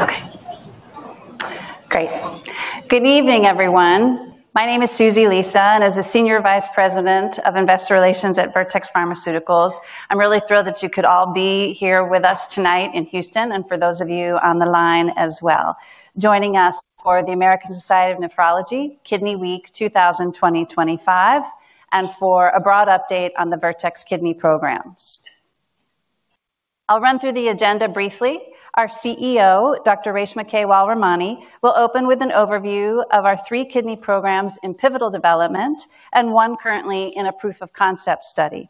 Okay. Great. Good evening, everyone. My name is Susie Lisa, and as the Senior Vice President of Investor Relations at Vertex Pharmaceuticals, I'm really thrilled that you could all be here with us tonight in Houston, and for those of you on the line as well. Joining us for the American Society of Nephrology, Kidney Week 2024-2025, and for a broad update on the Vertex Kidney programs. I'll run through the agenda briefly. Our CEO, Dr. Reshma Kewalramani, will open with an overview of our three kidney programs in pivotal development and one currently in a proof of concept study.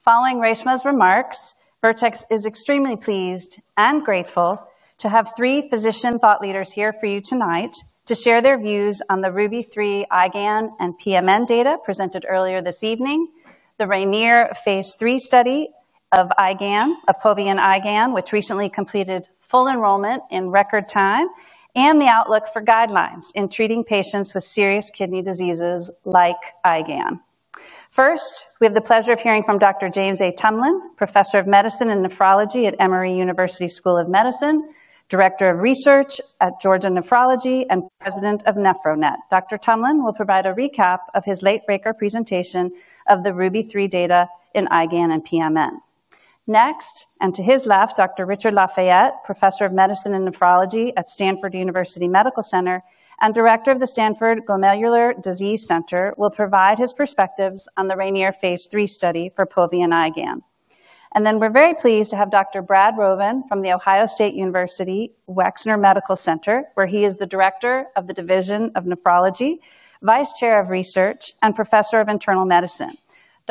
Following Reshma's remarks, Vertex is extremely pleased and grateful to have three physician thought leaders here for you tonight to share their views on the RUBY-3, IgAN, and pMN data presented earlier this evening, the RAINIER phase III study of IgAN, of Pove IgAN, which recently completed full enrollment in record time, and the outlook for guidelines in treating patients with serious kidney diseases like IgAN. First, we have the pleasure of hearing from Dr. James A. Tumlin, Professor of Medicine and Nephrology at Emory University School of Medicine, Director of Research at Georgia Nephrology, and President of NephroNet. Dr. Tumlin will provide a recap of his late-breaker presentation of the RUBY-3 data in IgAN and pMN. Next, and to his left, Dr. Richard Lafayette, Professor of Medicine and Nephrology at Stanford University Medical Center and Director of the Stanford Glomerular Disease Center, will provide his perspectives on the RAINIER phase III study for Pove IgAN. We are very pleased to have Dr. Brad Rovin from the Ohio State University Wexner Medical Center, where he is the Director of the Division of Nephrology, Vice Chair of Research, and Professor of Internal Medicine.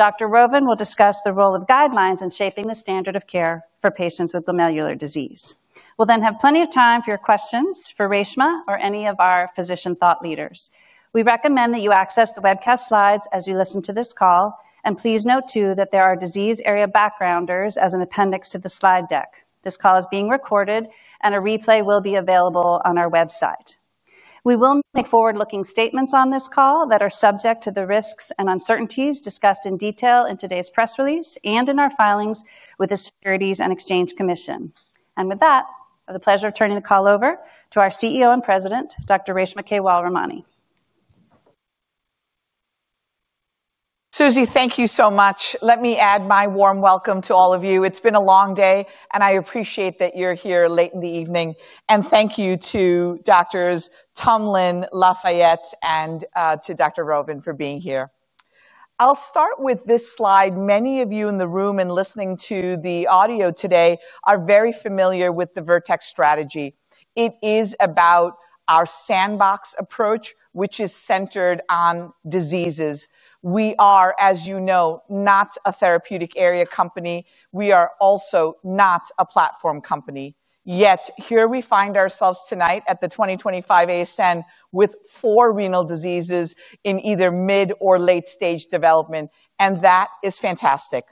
Dr. Rovin will discuss the role of guidelines in shaping the standard of care for patients with glomerular disease. We will then have plenty of time for your questions for Reshma or any of our physician thought leaders. We recommend that you access the webcast slides as you listen to this call, and please note too that there are disease area backgrounders as an appendix to the slide deck. This call is being recorded, and a replay will be available on our website. We will make forward-looking statements on this call that are subject to the risks and uncertainties discussed in detail in today's press release and in our filings with the Securities and Exchange Commission. With that, I have the pleasure of turning the call over to our CEO and President, Dr. Reshma Kewalramani. Susie, thank you so much. Let me add my warm welcome to all of you. It's been a long day, and I appreciate that you're here late in the evening. Thank you to Doctors Tumlin, Lafayette, and to Dr. Rovin for being here. I'll start with this slide. Many of you in the room and listening to the audio today are very familiar with the Vertex strategy. It is about our sandbox approach, which is centered on diseases. We are, as you know, not a therapeutic area company. We are also not a platform company. Yet here we find ourselves tonight at the 2025 ASN with four renal diseases in either mid or late-stage development, and that is fantastic.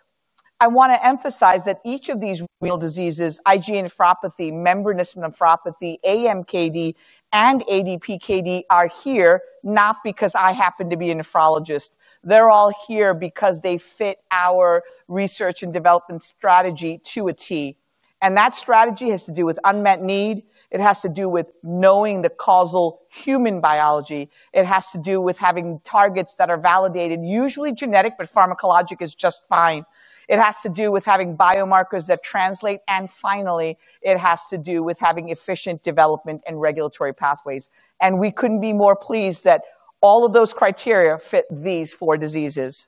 I want to emphasize that each of these renal diseases, IgA nephropathy, membranous nephropathy, AMKD, and ADPKD, are here not because I happen to be a nephrologist. They're all here because they fit our research and development strategy to a T. That strategy has to do with unmet need. It has to do with knowing the causal human biology. It has to do with having targets that are validated, usually genetic, but pharmacologic is just fine. It has to do with having biomarkers that translate. Finally, it has to do with having efficient development and regulatory pathways. We couldn't be more pleased that all of those criteria fit these four diseases.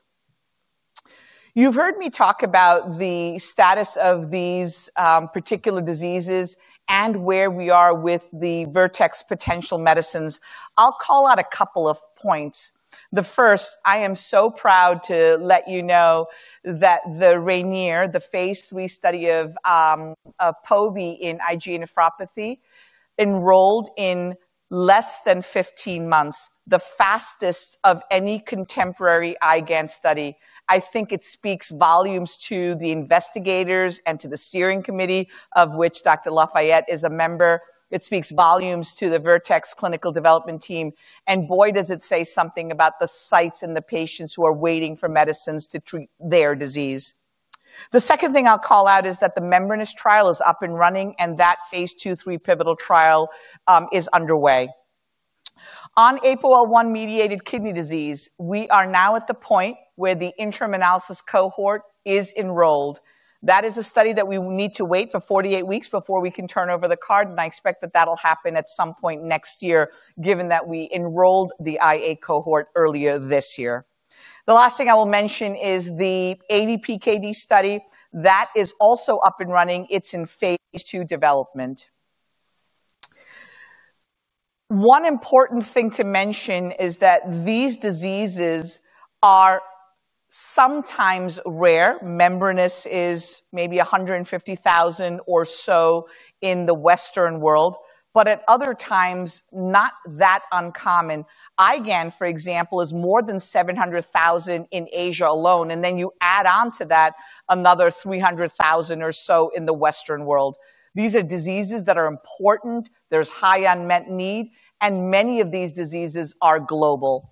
You've heard me talk about the status of these particular diseases and where we are with the Vertex potential medicines. I'll call out a couple of points. The first, I am so proud to let you know that the RAINIER, the phase III study of Pove in IgA nephropathy, enrolled in less than 15 months, the fastest of any contemporary IgAN study. I think it speaks volumes to the investigators and to the steering committee of which Dr. Lafayette is a member. It speaks volumes to the Vertex clinical development team. Boy, does it say something about the sites and the patients who are waiting for medicines to treat their disease. The second thing I'll call out is that the membranous trial is up and running, and that phase II, III pivotal trial is underway. On APOL1-mediated kidney disease, we are now at the point where the interim analysis cohort is enrolled. That is a study that we need to wait for 48 weeks before we can turn over the card, and I expect that that'll happen at some point next year, given that we enrolled the IA cohort earlier this year. The last thing I will mention is the ADPKD study. That is also up and running. It's in phase II development. One important thing to mention is that these diseases are sometimes rare. Membranous is maybe 150,000 or so in the Western world, but at other times, not that uncommon. IgAN, for example, is more than 700,000 in Asia alone. You add on to that another 300,000 or so in the Western world. These are diseases that are important. There is high unmet need, and many of these diseases are global.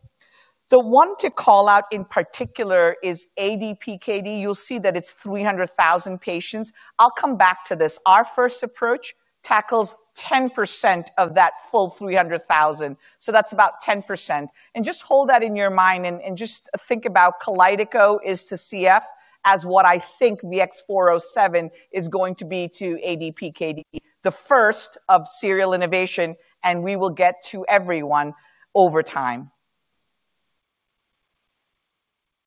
The one to call out in particular is ADPKD. You will see that it is 300,000 patients. I will come back to this. Our first approach tackles 10% of that full 300,000. That is about 10%. Just hold that in your mind and just think about Kalydeco is to CF as what I think VX-407 is going to be to ADPKD, the first of serial innovation, and we will get to everyone over time.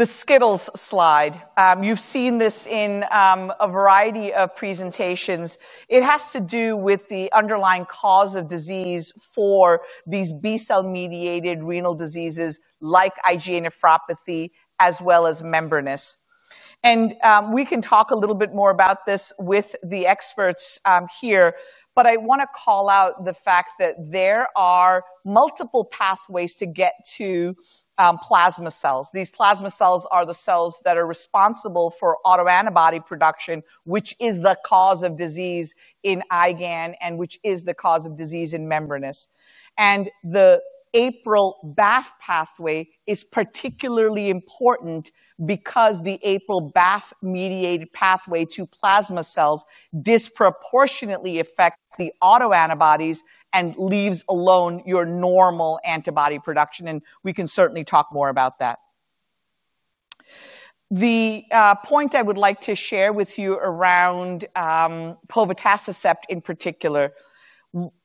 The Squiggles Slide. You've seen this in a variety of presentations. It has to do with the underlying cause of disease for these B-cell-mediated renal diseases like IgA nephropathy, as well as membranous. We can talk a little bit more about this with the experts here, but I want to call out the fact that there are multiple pathways to get to plasma cells. These plasma cells are the cells that are responsible for autoantibody production, which is the cause of disease in IgAN and which is the cause of disease in membranous. The APRIL-BAFF pathway is particularly important because the APRIL-BAFF-mediated pathway to plasma cells disproportionately affects the autoantibodies and leaves alone your normal antibody production. We can certainly talk more about that. The point I would like to share with you around Povatacicept, in particular,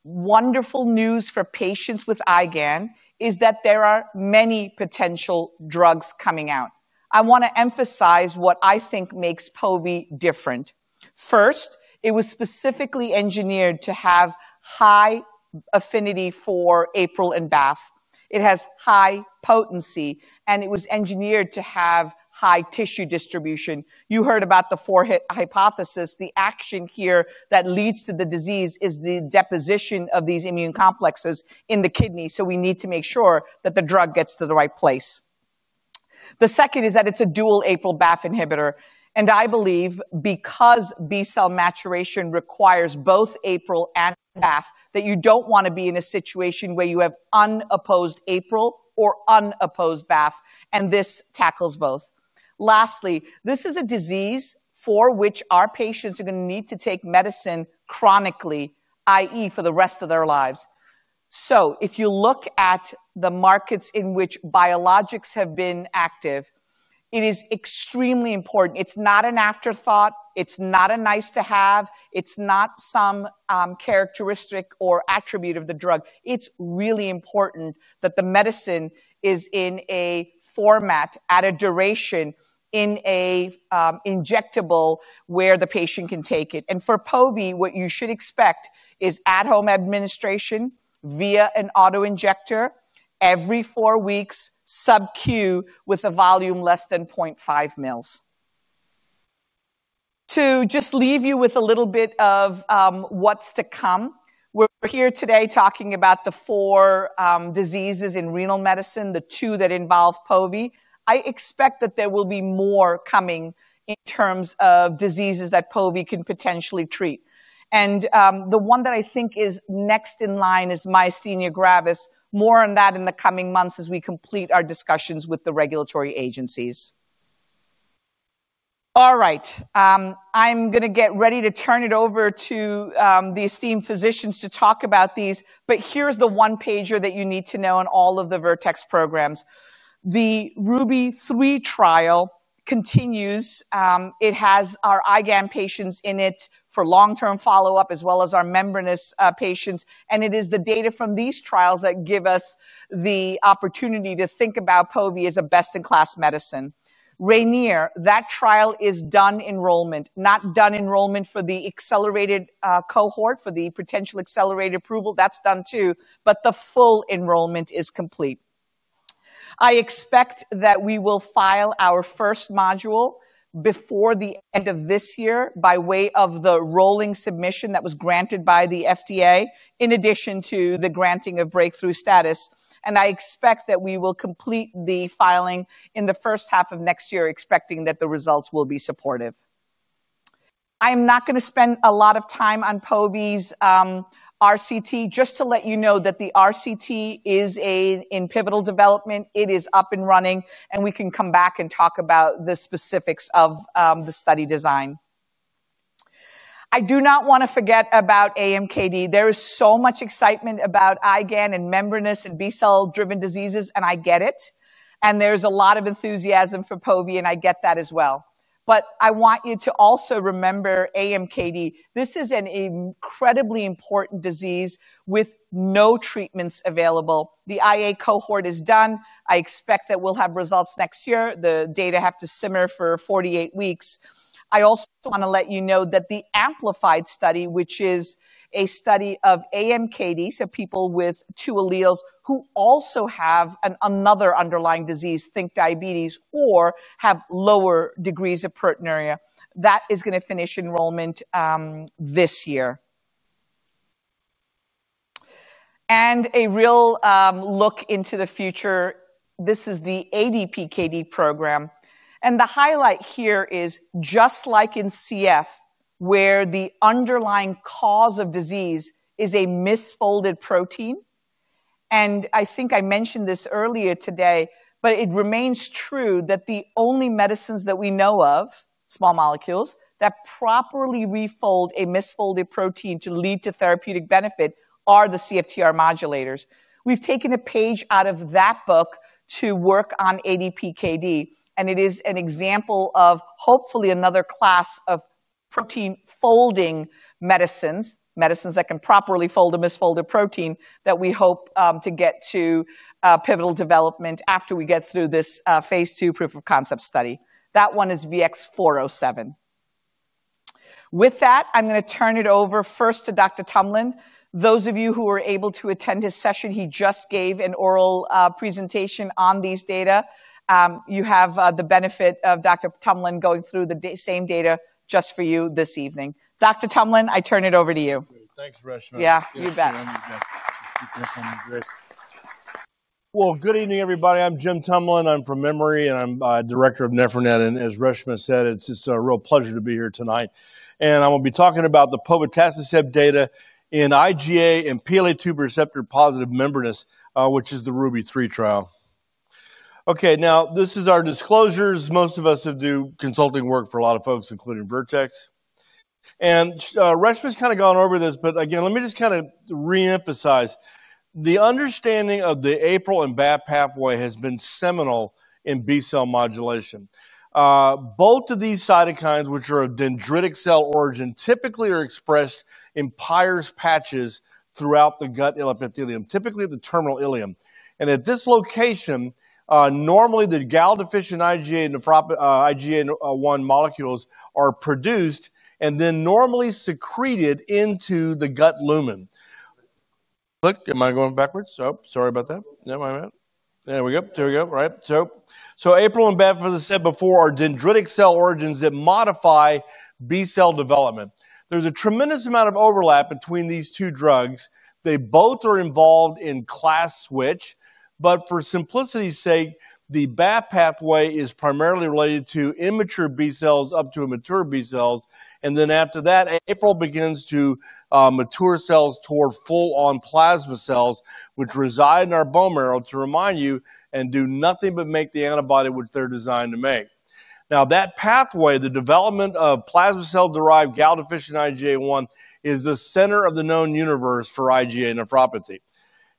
wonderful news for patients with IgAN is that there are many potential drugs coming out. I want to emphasize what I think makes Pove different. First, it was specifically engineered to have high affinity for APRIL and BAFF. It has high potency, and it was engineered to have high tissue distribution. You heard about the forehead hypothesis. The action here that leads to the disease is the deposition of these immune complexes in the kidney. We need to make sure that the drug gets to the right place. The second is that it is a dual APRIL-BAFF inhibitor. I believe because B-cell maturation requires both APRIL and BAFF, that you do not want to be in a situation where you have unopposed APRIL or unopposed BAFF, and this tackles both. Lastly, this is a disease for which our patients are going to need to take medicine chronically, i.e., for the rest of their lives. If you look at the markets in which biologics have been active, it is extremely important. It's not an afterthought. It's not a nice-to-have. It's not some characteristic or attribute of the drug. It's really important that the medicine is in a format, at a duration, in an injectable where the patient can take it. For Pove, what you should expect is at-home administration via an autoinjector every four weeks, sub-Q with a volume less than 0.5 mL. To just leave you with a little bit of what's to come, we're here today talking about the four diseases in renal medicine, the two that involve Pove. I expect that there will be more coming in terms of diseases that Pove can potentially treat. The one that I think is next in line is myasthenia gravis. More on that in the coming months as we complete our discussions with the regulatory agencies. All right. I am going to get ready to turn it over to the esteemed physicians to talk about these, but here is the one-pager that you need to know in all of the Vertex programs. The RUBY-3 trial continues. It has our IgAN patients in it for long-term follow-up, as well as our membranous patients. It is the data from these trials that give us the opportunity to think about Pove as a best-in-class medicine. RAINIER, that trial is done enrollment, not done enrollment for the accelerated cohort, for the potential accelerated approval. That is done too, but the full enrollment is complete. I expect that we will file our first module before the end of this year by way of the rolling submission that was granted by the FDA, in addition to the granting of breakthrough status. I expect that we will complete the filing in the first half of next year, expecting that the results will be supportive. I am not going to spend a lot of time on Pove's RCT. Just to let you know that the RCT is in pivotal development. It is up and running, and we can come back and talk about the specifics of the study design. I do not want to forget about AMKD. There is so much excitement about IgAN and membranous and B-cell-driven diseases, and I get it. There is a lot of enthusiasm for Pove, and I get that as well. I want you to also remember AMKD. This is an incredibly important disease with no treatments available. The IA cohort is done. I expect that we'll have results next year. The data have to simmer for 48 weeks. I also want to let you know that the amplified study, which is a study of AMKD, so people with two alleles who also have another underlying disease, think diabetes, or have lower degrees of proteinuria, that is going to finish enrollment this year. A real look into the future, this is the ADPKD program. The highlight here is, just like in CF, where the underlying cause of disease is a misfolded protein. I think I mentioned this earlier today, but it remains true that the only medicines that we know of, small molecules, that properly refold a misfolded protein to lead to therapeutic benefit are the CFTR modulators. We've taken a page out of that book to work on ADPKD, and it is an example of hopefully another class of protein-folding medicines, medicines that can properly fold a misfolded protein that we hope to get to pivotal development after we get through this phase II proof of concept study. That one is VX-407. With that, I'm going to turn it over first to Dr. Tumlin. Those of you who were able to attend his session, he just gave an oral presentation on these data. You have the benefit of Dr. Tumlin going through the same data just for you this evening. Dr. Tumlin, I turn it over to you. Thanks, Reshma. Yeah, you bet. Good evening, everybody. I'm Jim Tumlin. I'm from Emory, and I'm Director of NephroNet. As Reshma said, it's just a real pleasure to be here tonight. I'm going to be talking about the Povatacicept data in IgA and PLA2 receptor-positive membranous, which is the RUBY-3 trial. This is our disclosures. Most of us have to do consulting work for a lot of folks, including Vertex. Reshma's kind of gone over this, but again, let me just kind of reemphasize. The understanding of the APRIL and BAFF pathway has been seminal in B-cell modulation. Both of these cytokines, which are of dendritic cell origin, typically are expressed in Peyer's patches throughout the gut epithelium, typically the terminal ileum. At this location, normally the galactose-deficient IgA1 molecules are produced and then normally secreted into the gut lumen. Look, am I going backwards? Oh, sorry about that. There we go. Right. APRIL and BAFF, as I said before, are dendritic cell origins that modify B-cell development. There's a tremendous amount of overlap between these two drugs. They both are involved in class switch, but for simplicity's sake, the BAFF pathway is primarily related to immature B-cells up to mature B-cells. After that, APRIL begins to mature cells toward full-on plasma cells, which reside in our bone marrow, to remind you, and do nothing but make the antibody which they're designed to make. That pathway, the development of plasma cell-derived galactose-deficient IgA1, is the center of the known universe for IgA nephropathy.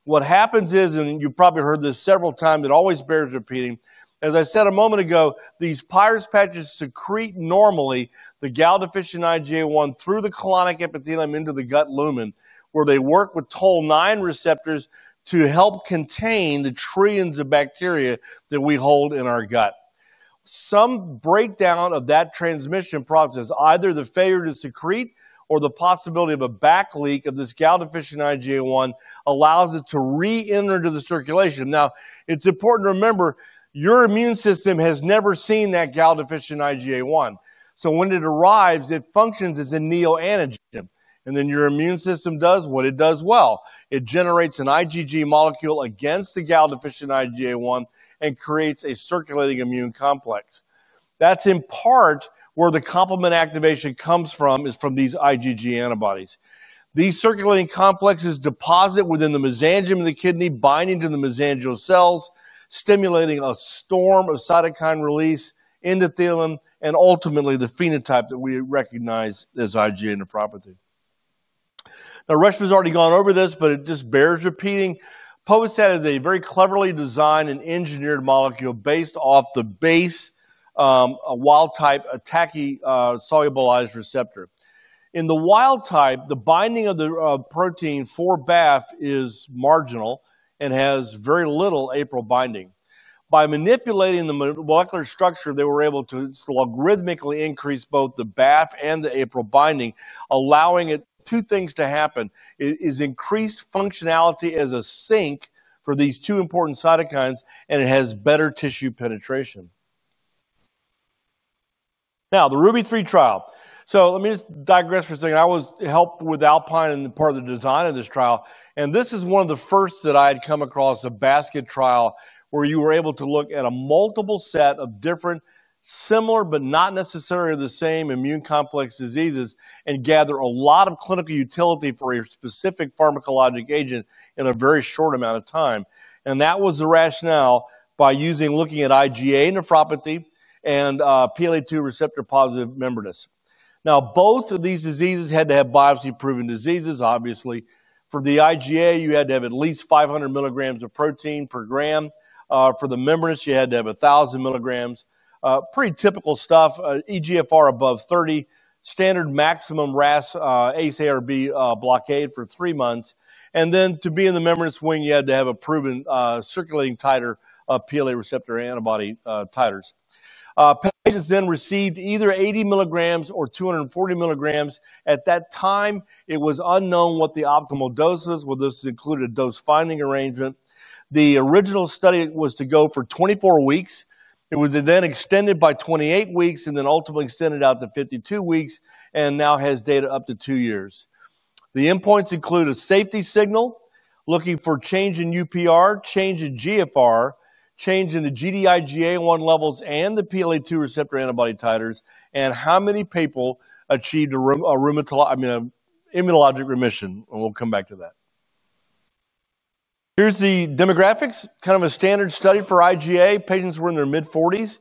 What happens is, and you've probably heard this several times, it always bears repeating, as I said a moment ago, these Peyer's patches secrete normally the galactose-deficient IgA1 through the colonic epithelium into the gut lumen, where they work with TLR9 receptors to help contain the trillions of bacteria that we hold in our gut. Some breakdown of that transmission process, either the failure to secrete or the possibility of a back leak of this galactose-deficient IgA1, allows it to re-enter into the circulation. Now, it's important to remember, your immune system has never seen that galactose-deficient IgA1. When it arrives, it functions as a neoantigen. Then your immune system does what it does well. It generates an IgG molecule against the galactose-deficient IgA1 and creates a circulating immune complex. That's in part where the complement activation comes from, is from these IgG antibodies. These circulating complexes deposit within the mesangium of the kidney, binding to the mesangial cells, stimulating a storm of cytokine release, endothelin, and ultimately the phenotype that we recognize as IgA nephropathy. Now, Reshma's already gone over this, but it just bears repeating. Povatacicept is a very cleverly designed and engineered molecule based off the base wild-type TACI solubilized receptor. In the wild-type, the binding of the protein for BAFF is marginal and has very little APRIL binding. By manipulating the molecular structure, they were able to logarithmically increase both the BAFF and the APRIL binding, allowing two things to happen. It is increased functionality as a sink for these two important cytokines, and it has better tissue penetration. Now, the RUBY-3 trial. Let me just digress for a second. I was helped with ALPINE in the part of the design of this trial. This is one of the first that I had come across, a basket trial, where you were able to look at a multiple set of different, similar but not necessarily the same immune complex diseases and gather a lot of clinical utility for a specific pharmacologic agent in a very short amount of time. That was the rationale by looking at IgA nephropathy and PLA2 receptor-positive membranous. Now, both of these diseases had to have biopsy-proven diseases, obviously. For the IgA, you had to have at least 500 mg of protein per gram. For the membranous, you had to have 1,000 mg. Pretty typical stuff. EGFR above 30, standard maximum RAS ACE-ARB blockade for three months. To be in the membranous wing, you had to have a proven circulating titer of PLA2 receptor antibody titers. Patients then received either 80 mg or 240 mg. At that time, it was unknown what the optimal dose was. This included a dose-finding arrangement. The original study was to go for 24 weeks. It was then extended by 28 weeks and then ultimately extended out to 52 weeks and now has data up to two years. The endpoints include a safety signal, looking for change in UPR, change in GFR, change in the Gd-IgA1 levels and the PLA2 receptor antibody titers, and how many people achieved a rheumatologic remission. We'll come back to that. Here's the demographics. Kind of a standard study for IgA. Patients were in their mid-40s.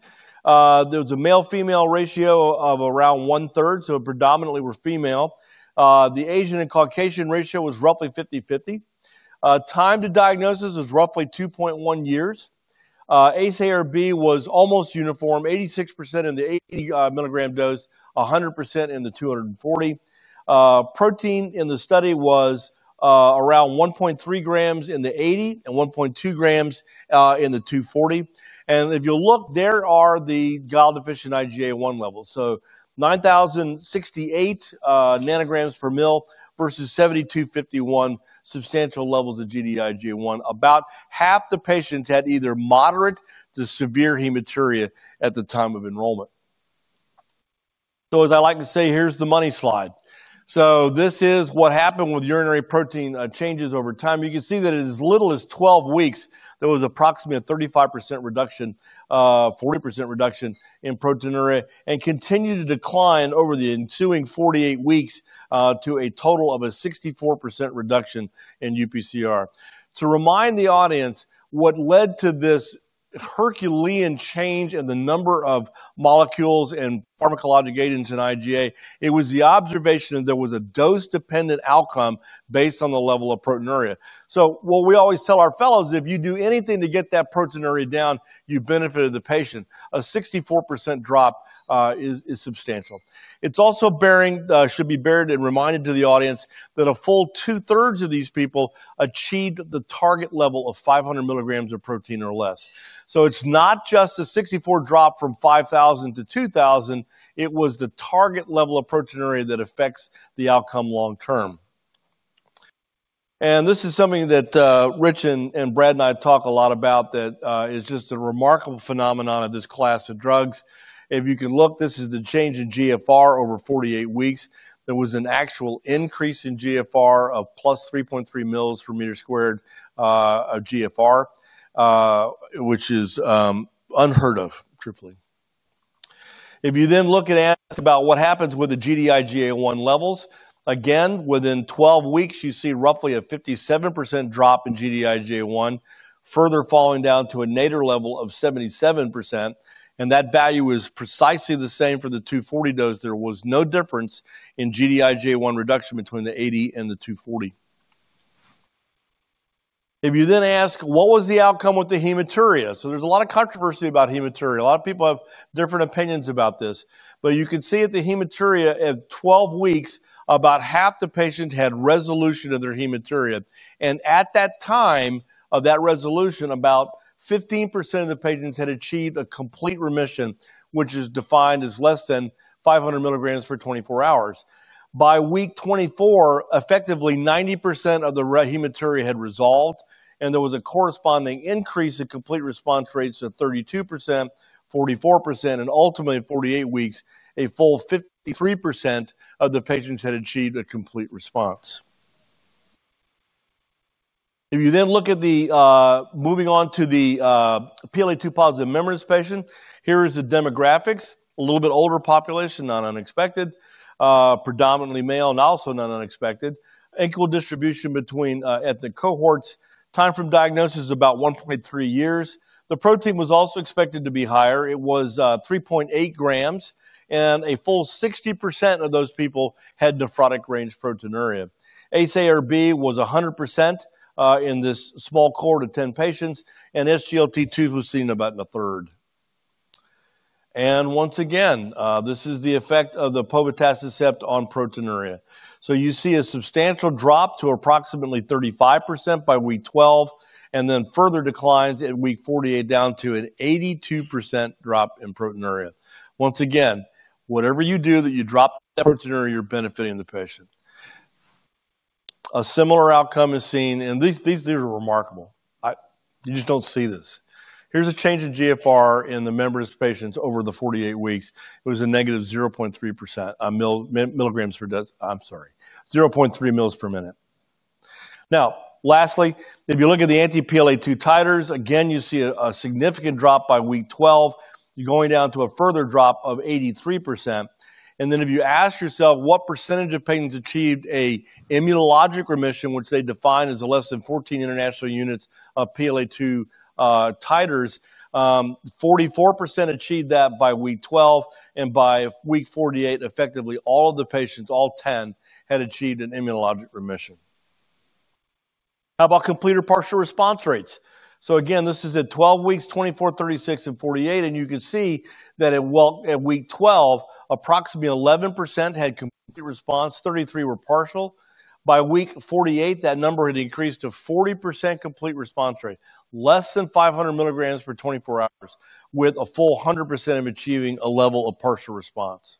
There was a male-female ratio of around one-third, so predominantly were female. The Asian and Caucasian ratio was roughly 50-50. Time to diagnosis was roughly 2.1 years. ACE-ARB was almost uniform, 86% in the 80 mg dose, 100% in the 240 mg. Protein in the study was around 1.3 g in the 80 mg and 1.2 g in the 240 mg. If you'll look, there are the galactose-deficient IgA1 levels. So 9,068 nanograms per mL versus 7,251 substantial levels of Gd-IgA1. About half the patients had either moderate to severe hematuria at the time of enrollment. As I like to say, here's the money slide. This is what happened with urinary protein changes over time. You can see that in as little as 12 weeks, there was approximately a 35% reduction, 40% reduction in proteinuria, and continued to decline over the ensuing 48 weeks to a total of a 64% reduction in UPCR. To remind the audience, what led to this Herculean change in the number of molecules and pharmacologic agents in IgA? It was the observation that there was a dose-dependent outcome based on the level of proteinuria. What we always tell our fellows, if you do anything to get that proteinuria down, you benefit the patient. A 64% drop is substantial. It also should be beared and reminded to the audience that a full two-thirds of these people achieved the target level of 500 mg of protein or less. It is not just a 64% drop from 5,000 to 2,000. It was the target level of proteinuria that affects the outcome long-term. This is something that Rich and Brad and I talk a lot about that is just a remarkable phenomenon of this class of drugs. If you can look, this is the change in GFR over 48 weeks. There was an actual increase in GFR of plus 3.3 mL per meter squared of GFR, which is unheard of, truthfully. If you then look and ask about what happens with the Gd-IgA1 levels, again, within 12 weeks, you see roughly a 57% drop in Gd-IgA1, further falling down to a nadir level of 77%. That value is precisely the same for the 240 dose. There was no difference in Gd-IgA1 reduction between the 80 and the 240. If you then ask, what was the outcome with the hematuria? There is a lot of controversy about hematuria. A lot of people have different opinions about this. You can see at the hematuria at 12 weeks, about half the patients had resolution of their hematuria. At that time of that resolution, about 15% of the patients had achieved a complete remission, which is defined as less than 500 mg for 24 hours. By week 24, effectively 90% of the hematuria had resolved, and there was a corresponding increase in complete response rates of 32%, 44%, and ultimately 48 weeks, a full 53% of the patients had achieved a complete response. If you then look at the moving on to the PLA2R positive membranous patient, here is the demographics, a little bit older population, not unexpected, predominantly male, and also not unexpected, equal distribution between ethnic cohorts. Time from diagnosis is about 1.3 years. The protein was also expected to be higher. It was 3.8 grams, and a full 60% of those people had nephrotic-range proteinuria. ACE-ARB was 100% in this small cohort of 10 patients, and SGLT2 was seen about in a third. Once again, this is the effect of the Povatacicept on proteinuria. You see a substantial drop to approximately 35% by week 12, and then further declines at week 48 down to an 82% drop in proteinuria. Once again, whatever you do that you drop proteinuria, you're benefiting the patient. A similar outcome is seen, and these are remarkable. You just don't see this. Here's a change in GFR in the membranous patients over the 48 weeks. It was a -0.3 mL per minute. Now, lastly, if you look at the anti-PLA2R titers, again, you see a significant drop by week 12. You're going down to a further drop of 83%. If you ask yourself what percentage of patients achieved an immunologic remission, which they define as less than 14 international units of PLA2R titers, 44% achieved that by week 12, and by week 48, effectively all of the patients, all 10, had achieved an immunologic remission. How about complete or partial response rates? Again, this is at 12 weeks, 24, 36, and 48, and you can see that at week 12, approximately 11% had complete response, 33% were partial. By week 48, that number had increased to 40% complete response rate, less than 500 mg for 24 hours, with a full 100% achieving a level of partial response.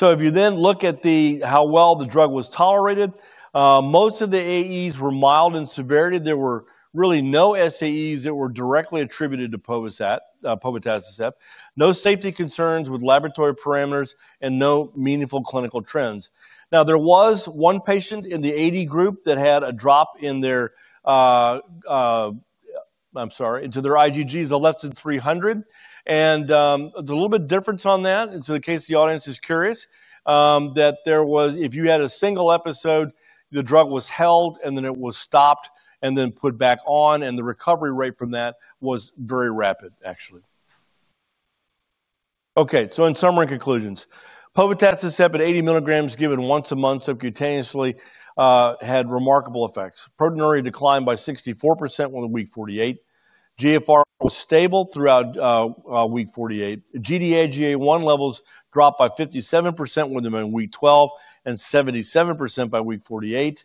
If you then look at how well the drug was tolerated, most of the AEs were mild in severity. There were really no SAEs that were directly attributed to Povatacicept. No safety concerns with laboratory parameters and no meaningful clinical trends. Now, there was one patient in the 80 group that had a drop in their, I'm sorry, into their IgGs of less than 300. And there's a little bit of difference on that. It's in the case the audience is curious, that if you had a single episode, the drug was held, and then it was stopped and then put back on, and the recovery rate from that was very rapid, actually. Okay, so in summary conclusions, Povatacicept at 80 mg given once a month subcutaneously had remarkable effects. Proteinuria declined by 64% within week 48. GFR was stable throughout week 48. Gd-IgA1 levels dropped by 57% within week 12 and 77% by week 48.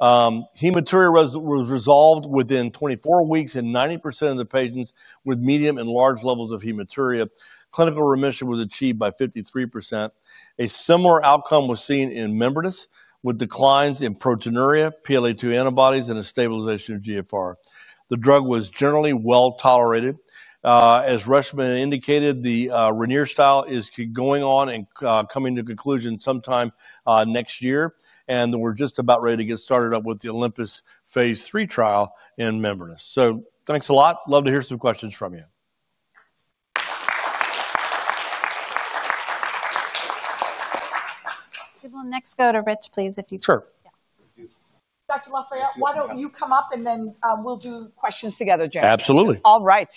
Hematuria was resolved within 24 weeks in 90% of the patients with medium and large levels of hematuria. Clinical remission was achieved by 53%. A similar outcome was seen in membranous with declines in proteinuria, PLA2R antibodies, and a stabilization of GFR. The drug was generally well tolerated. As Reshma indicated, the RAINIER trial is going on and coming to conclusion sometime next year, and we're just about ready to get started up with the OLYMPUS phase III trial in membranous. Thanks a lot. Love to hear some questions from you. We will next go to Rich, please, if you can. Sure. Dr. Lafayette, why don't you come up and then we'll do questions together, Jim. Absolutely. All right.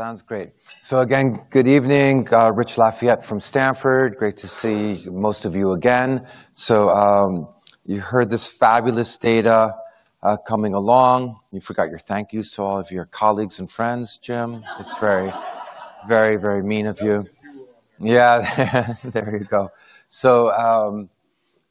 Sounds great. Again, good evening. Rich Lafayette from Stanford. Great to see most of you again. You heard this fabulous data coming along. You forgot your thank you to all of your colleagues and friends, Jim. It's very, very, very mean of you. Yeah, there you go.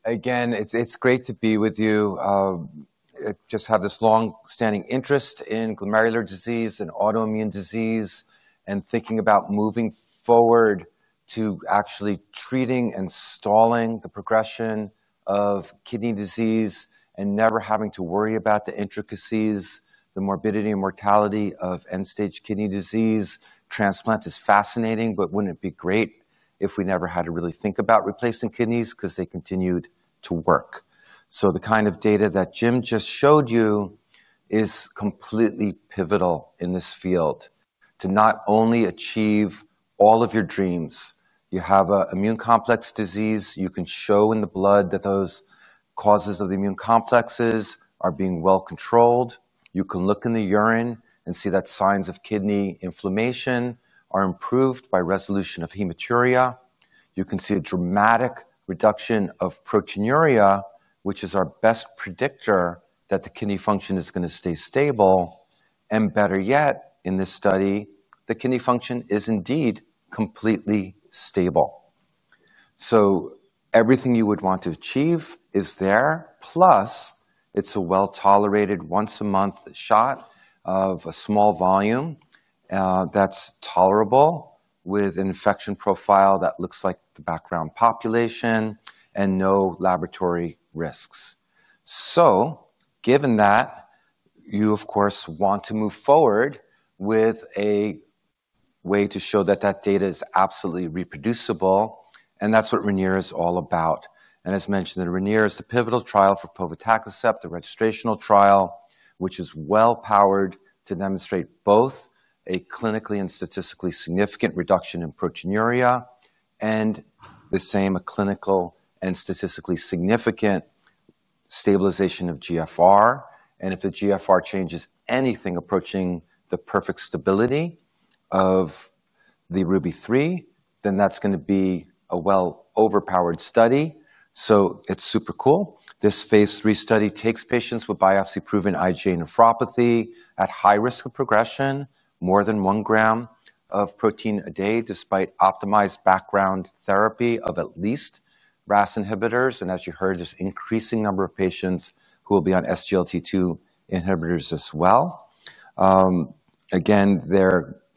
Again, it's great to be with you. I just have this long-standing interest in glomerular disease and autoimmune disease and thinking about moving forward to actually treating and stalling the progression of kidney disease and never having to worry about the intricacies, the morbidity and mortality of end-stage kidney disease. Transplant is fascinating, but wouldn't it be great if we never had to really think about replacing kidneys because they continued to work? The kind of data that Jim just showed you is completely pivotal in this field to not only achieve all of your dreams. You have an immune complex disease. You can show in the blood that those causes of the immune complexes are being well controlled. You can look in the urine and see that signs of kidney inflammation are improved by resolution of hematuria. You can see a dramatic reduction of proteinuria, which is our best predictor that the kidney function is going to stay stable. Better yet, in this study, the kidney function is indeed completely stable. Everything you would want to achieve is there, plus it's a well-tolerated once-a-month shot of a small volume that's tolerable with an infection profile that looks like the background population and no laboratory risks. Given that, you, of course, want to move forward with a way to show that that data is absolutely reproducible, and that's what RAINIER is all about. As mentioned, the RAINIER is the pivotal trial for Povatacicept, the registrational trial, which is well-powered to demonstrate both a clinically and statistically significant reduction in proteinuria and the same clinical and statistically significant stabilization of GFR. If the GFR changes anything approaching the perfect stability of the RUBY-3, then that's going to be a well-overpowered study. It is super cool. This phase three study takes patients with biopsy-proven IgA nephropathy at high risk of progression, more than 1 gram of protein a day despite optimized background therapy of at least RAS inhibitors. As you heard, there is an increasing number of patients who will be on SGLT2 inhibitors as well.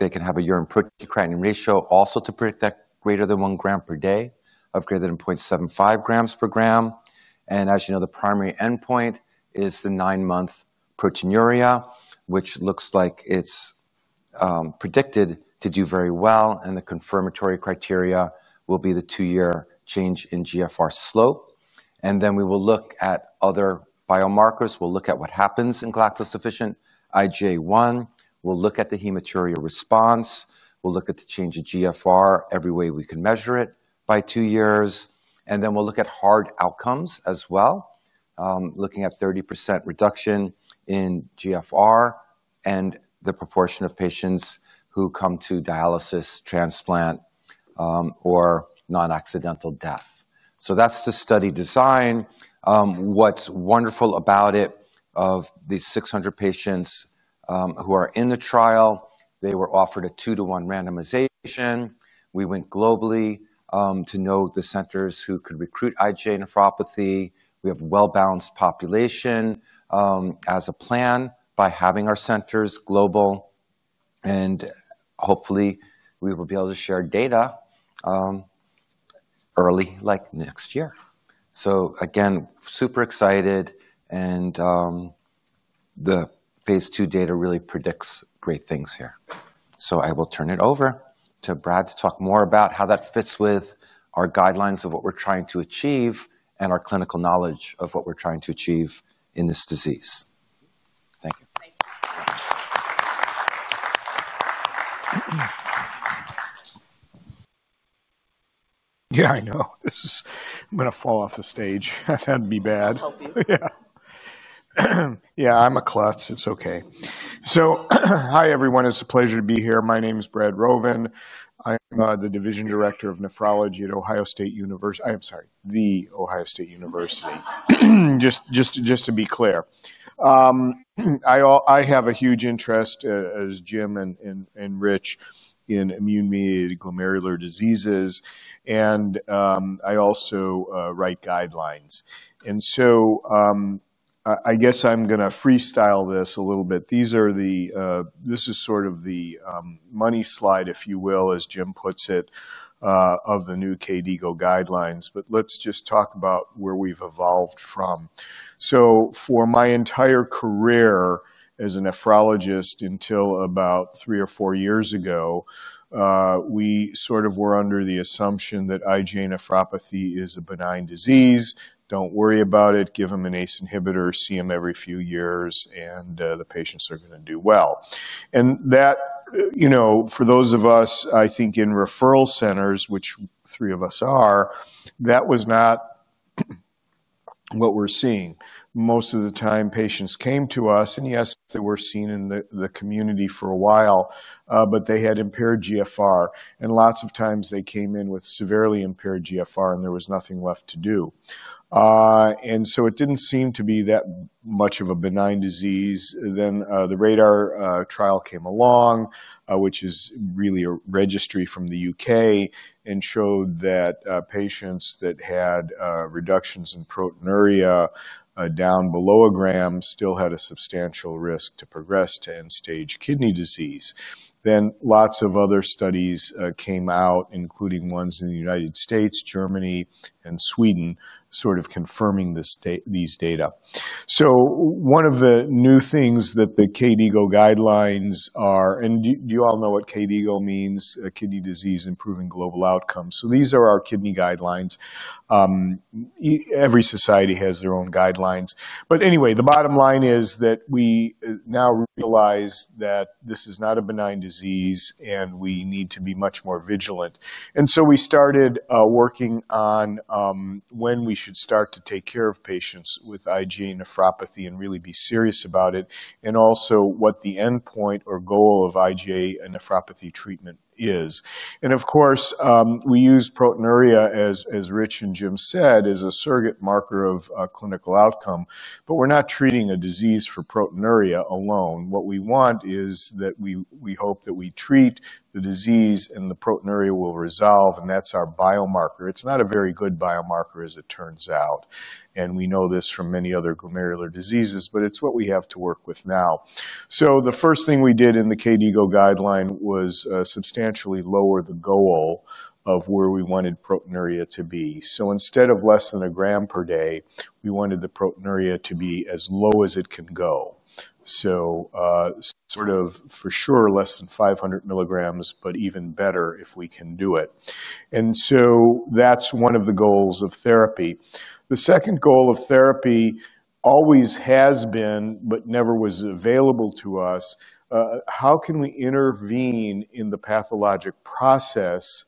They can have a urine protein-to-creatinine ratio also to predict that greater than 1 gram per day or greater than 0.75 grams per gram. As you know, the primary endpoint is the nine-month proteinuria, which looks like it is predicted to do very well, and the confirmatory criteria will be the two-year change in GFR slope. We will look at other biomarkers. We will look at what happens in galactose-deficient IgA1. We'll look at the hematuria response. We'll look at the change in GFR every way we can measure it by two years. Then we'll look at hard outcomes as well, looking at 30% reduction in GFR and the proportion of patients who come to dialysis, transplant, or non-accidental death. That's the study design. What's wonderful about it, of these 600 patients who are in the trial, they were offered a two-to-one randomization. We went globally to know the centers who could recruit IgA nephropathy. We have a well-balanced population as a plan by having our centers global, and hopefully, we will be able to share data early like next year. Again, super excited, and the phase two data really predicts great things here. I will turn it over to Brad to talk more about how that fits with our guidelines of what we're trying to achieve and our clinical knowledge of what we're trying to achieve in this disease. Thank you. Yeah, I know. I'm going to fall off the stage. That'd be bad. I'll help you. Yeah. Yeah, I'm a klutz. It's okay. Hi, everyone. It's a pleasure to be here. My name is Brad Rovin. I'm the Division Director of Nephrology at The Ohio State University. Just to be clear, I have a huge interest, as Jim and Rich, in immune-mediated glomerular diseases, and I also write guidelines. I guess I'm going to freestyle this a little bit. This is sort of the money slide, if you will, as Jim puts it, of the new KDIGO guidelines, but let's just talk about where we've evolved from. For my entire career as a nephrologist until about three or four years ago, we sort of were under the assumption that IgA nephropathy is a benign disease. Don't worry about it. Give them an ACE inhibitor, see them every few years, and the patients are going to do well. For those of us, I think in referral centers, which three of us are, that was not what we're seeing. Most of the time, patients came to us, and yes, they were seen in the community for a while, but they had impaired GFR. Lots of times, they came in with severely impaired GFR, and there was nothing left to do. It did not seem to be that much of a benign disease. The RADAR trial came along, which is really a registry from the United Kingdom, and showed that patients that had reductions in proteinuria down below a gram still had a substantial risk to progress to end-stage kidney disease. Lots of other studies came out, including ones in the United States, Germany, and Sweden, confirming these data. One of the new things that the KDIGO guidelines are—and do you all know what KDIGO means? Kidney Disease Improving Global Outcomes. These are our kidney guidelines. Every society has their own guidelines. Anyway, the bottom line is that we now realize that this is not a benign disease, and we need to be much more vigilant. We started working on when we should start to take care of patients with IgA nephropathy and really be serious about it, and also what the endpoint or goal of IgA nephropathy treatment is. Of course, we use proteinuria, as Rich and Jim said, as a surrogate marker of clinical outcome, but we're not treating a disease for proteinuria alone. What we want is that we hope that we treat the disease and the proteinuria will resolve, and that's our biomarker. It's not a very good biomarker, as it turns out, and we know this from many other glomerular diseases, but it's what we have to work with now. The first thing we did in the KDIGO guideline was substantially lower the goal of where we wanted proteinuria to be. Instead of less than a gram per day, we wanted the proteinuria to be as low as it can go. Sort of for sure, less than 500 mg, but even better if we can do it. That is one of the goals of therapy. The second goal of therapy always has been, but never was available to us, how can we intervene in the pathologic process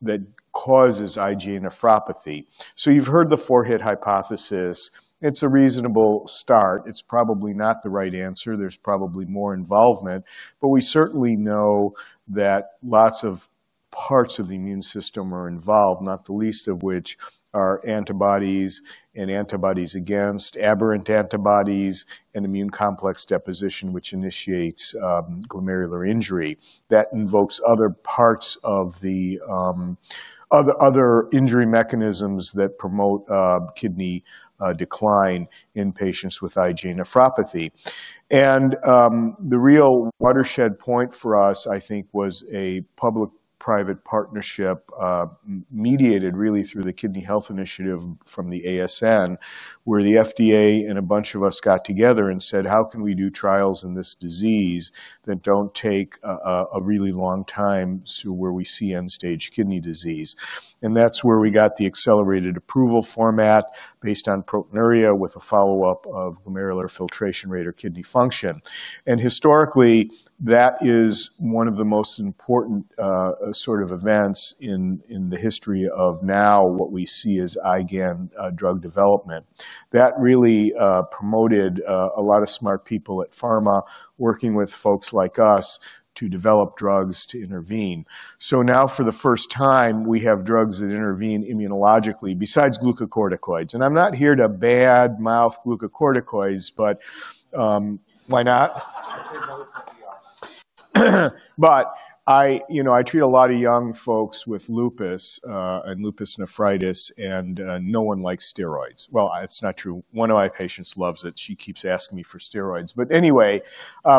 that causes IgA nephropathy? You have heard the four-hit hypothesis. It is a reasonable start. It is probably not the right answer. There is probably more involvement, but we certainly know that lots of parts of the immune system are involved, not the least of which are antibodies and antibodies against, aberrant antibodies, and immune complex deposition, which initiates glomerular injury. That invokes other parts of the other injury mechanisms that promote kidney decline in patients with IgA nephropathy. The real watershed point for us, I think, was a public-private partnership mediated really through the Kidney Health Initiative from the ASN, where the FDA and a bunch of us got together and said, "How can we do trials in this disease that do not take a really long time to where we see end-stage kidney disease?" That is where we got the accelerated approval format based on proteinuria with a follow-up of glomerular filtration rate or kidney function. Historically, that is one of the most important sort of events in the history of now what we see as IgAN drug development. That really promoted a lot of smart people at pharma working with folks like us to develop drugs to intervene. Now, for the first time, we have drugs that intervene immunologically besides glucocorticoids. I am not here to bad-mouth glucocorticoids, but why not? But I treat a lot of young folks with lupus and lupus nephritis, and no one likes steroids. That is not true. One of my patients loves it. She keeps asking me for steroids. Anyway,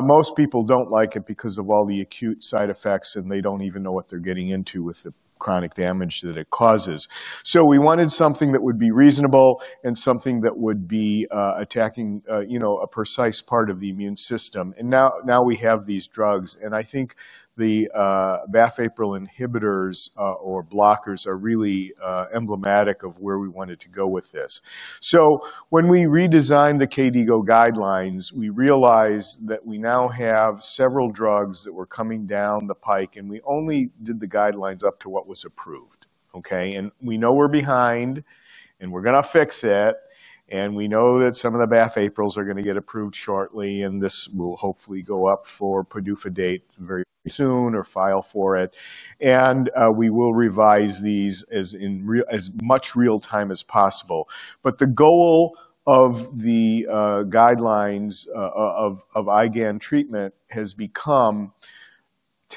most people do not like it because of all the acute side effects, and they do not even know what they are getting into with the chronic damage that it causes. We wanted something that would be reasonable and something that would be attacking a precise part of the immune system. Now we have these drugs, and I think the BAFF-APRIL inhibitors or blockers are really emblematic of where we wanted to go with this. When we redesigned the KDIGO guidelines, we realized that we now have several drugs that were coming down the pike, and we only did the guidelines up to what was approved, okay? We know we're behind, and we're going to fix it, and we know that some of the BAFF-APRILs are going to get approved shortly, and this will hopefully go up for PDUFA date very soon or file for it. We will revise these as much real-time as possible. The goal of the guidelines of IgAN treatment has become to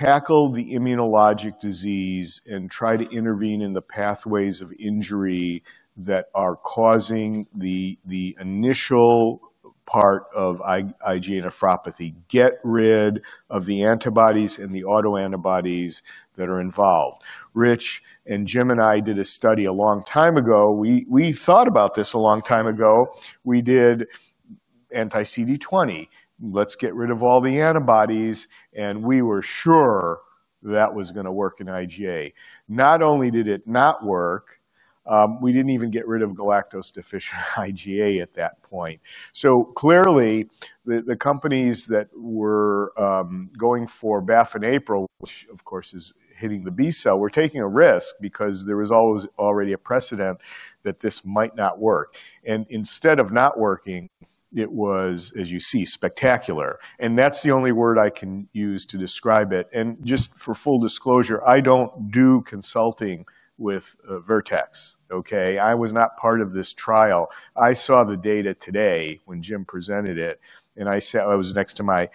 tackle the immunologic disease and try to intervene in the pathways of injury that are causing the initial part of IgA nephropathy, get rid of the antibodies and the autoantibodies that are involved. Rich and Jim and I did a study a long time ago. We thought about this a long time ago. We did anti-CD20. Let's get rid of all the antibodies, and we were sure that was going to work in IgA. Not only did it not work, we did not even get rid of galactose-deficient IgA at that point. Clearly, the companies that were going for bafinapril, which of course is hitting the B-cell, were taking a risk because there was already a precedent that this might not work. Instead of not working, it was, as you see, spectacular. That is the only word I can use to describe it. Just for full disclosure, I do not do consulting with Vertex, okay? I was not part of this trial. I saw the data today when Jim presented it, and I was next to my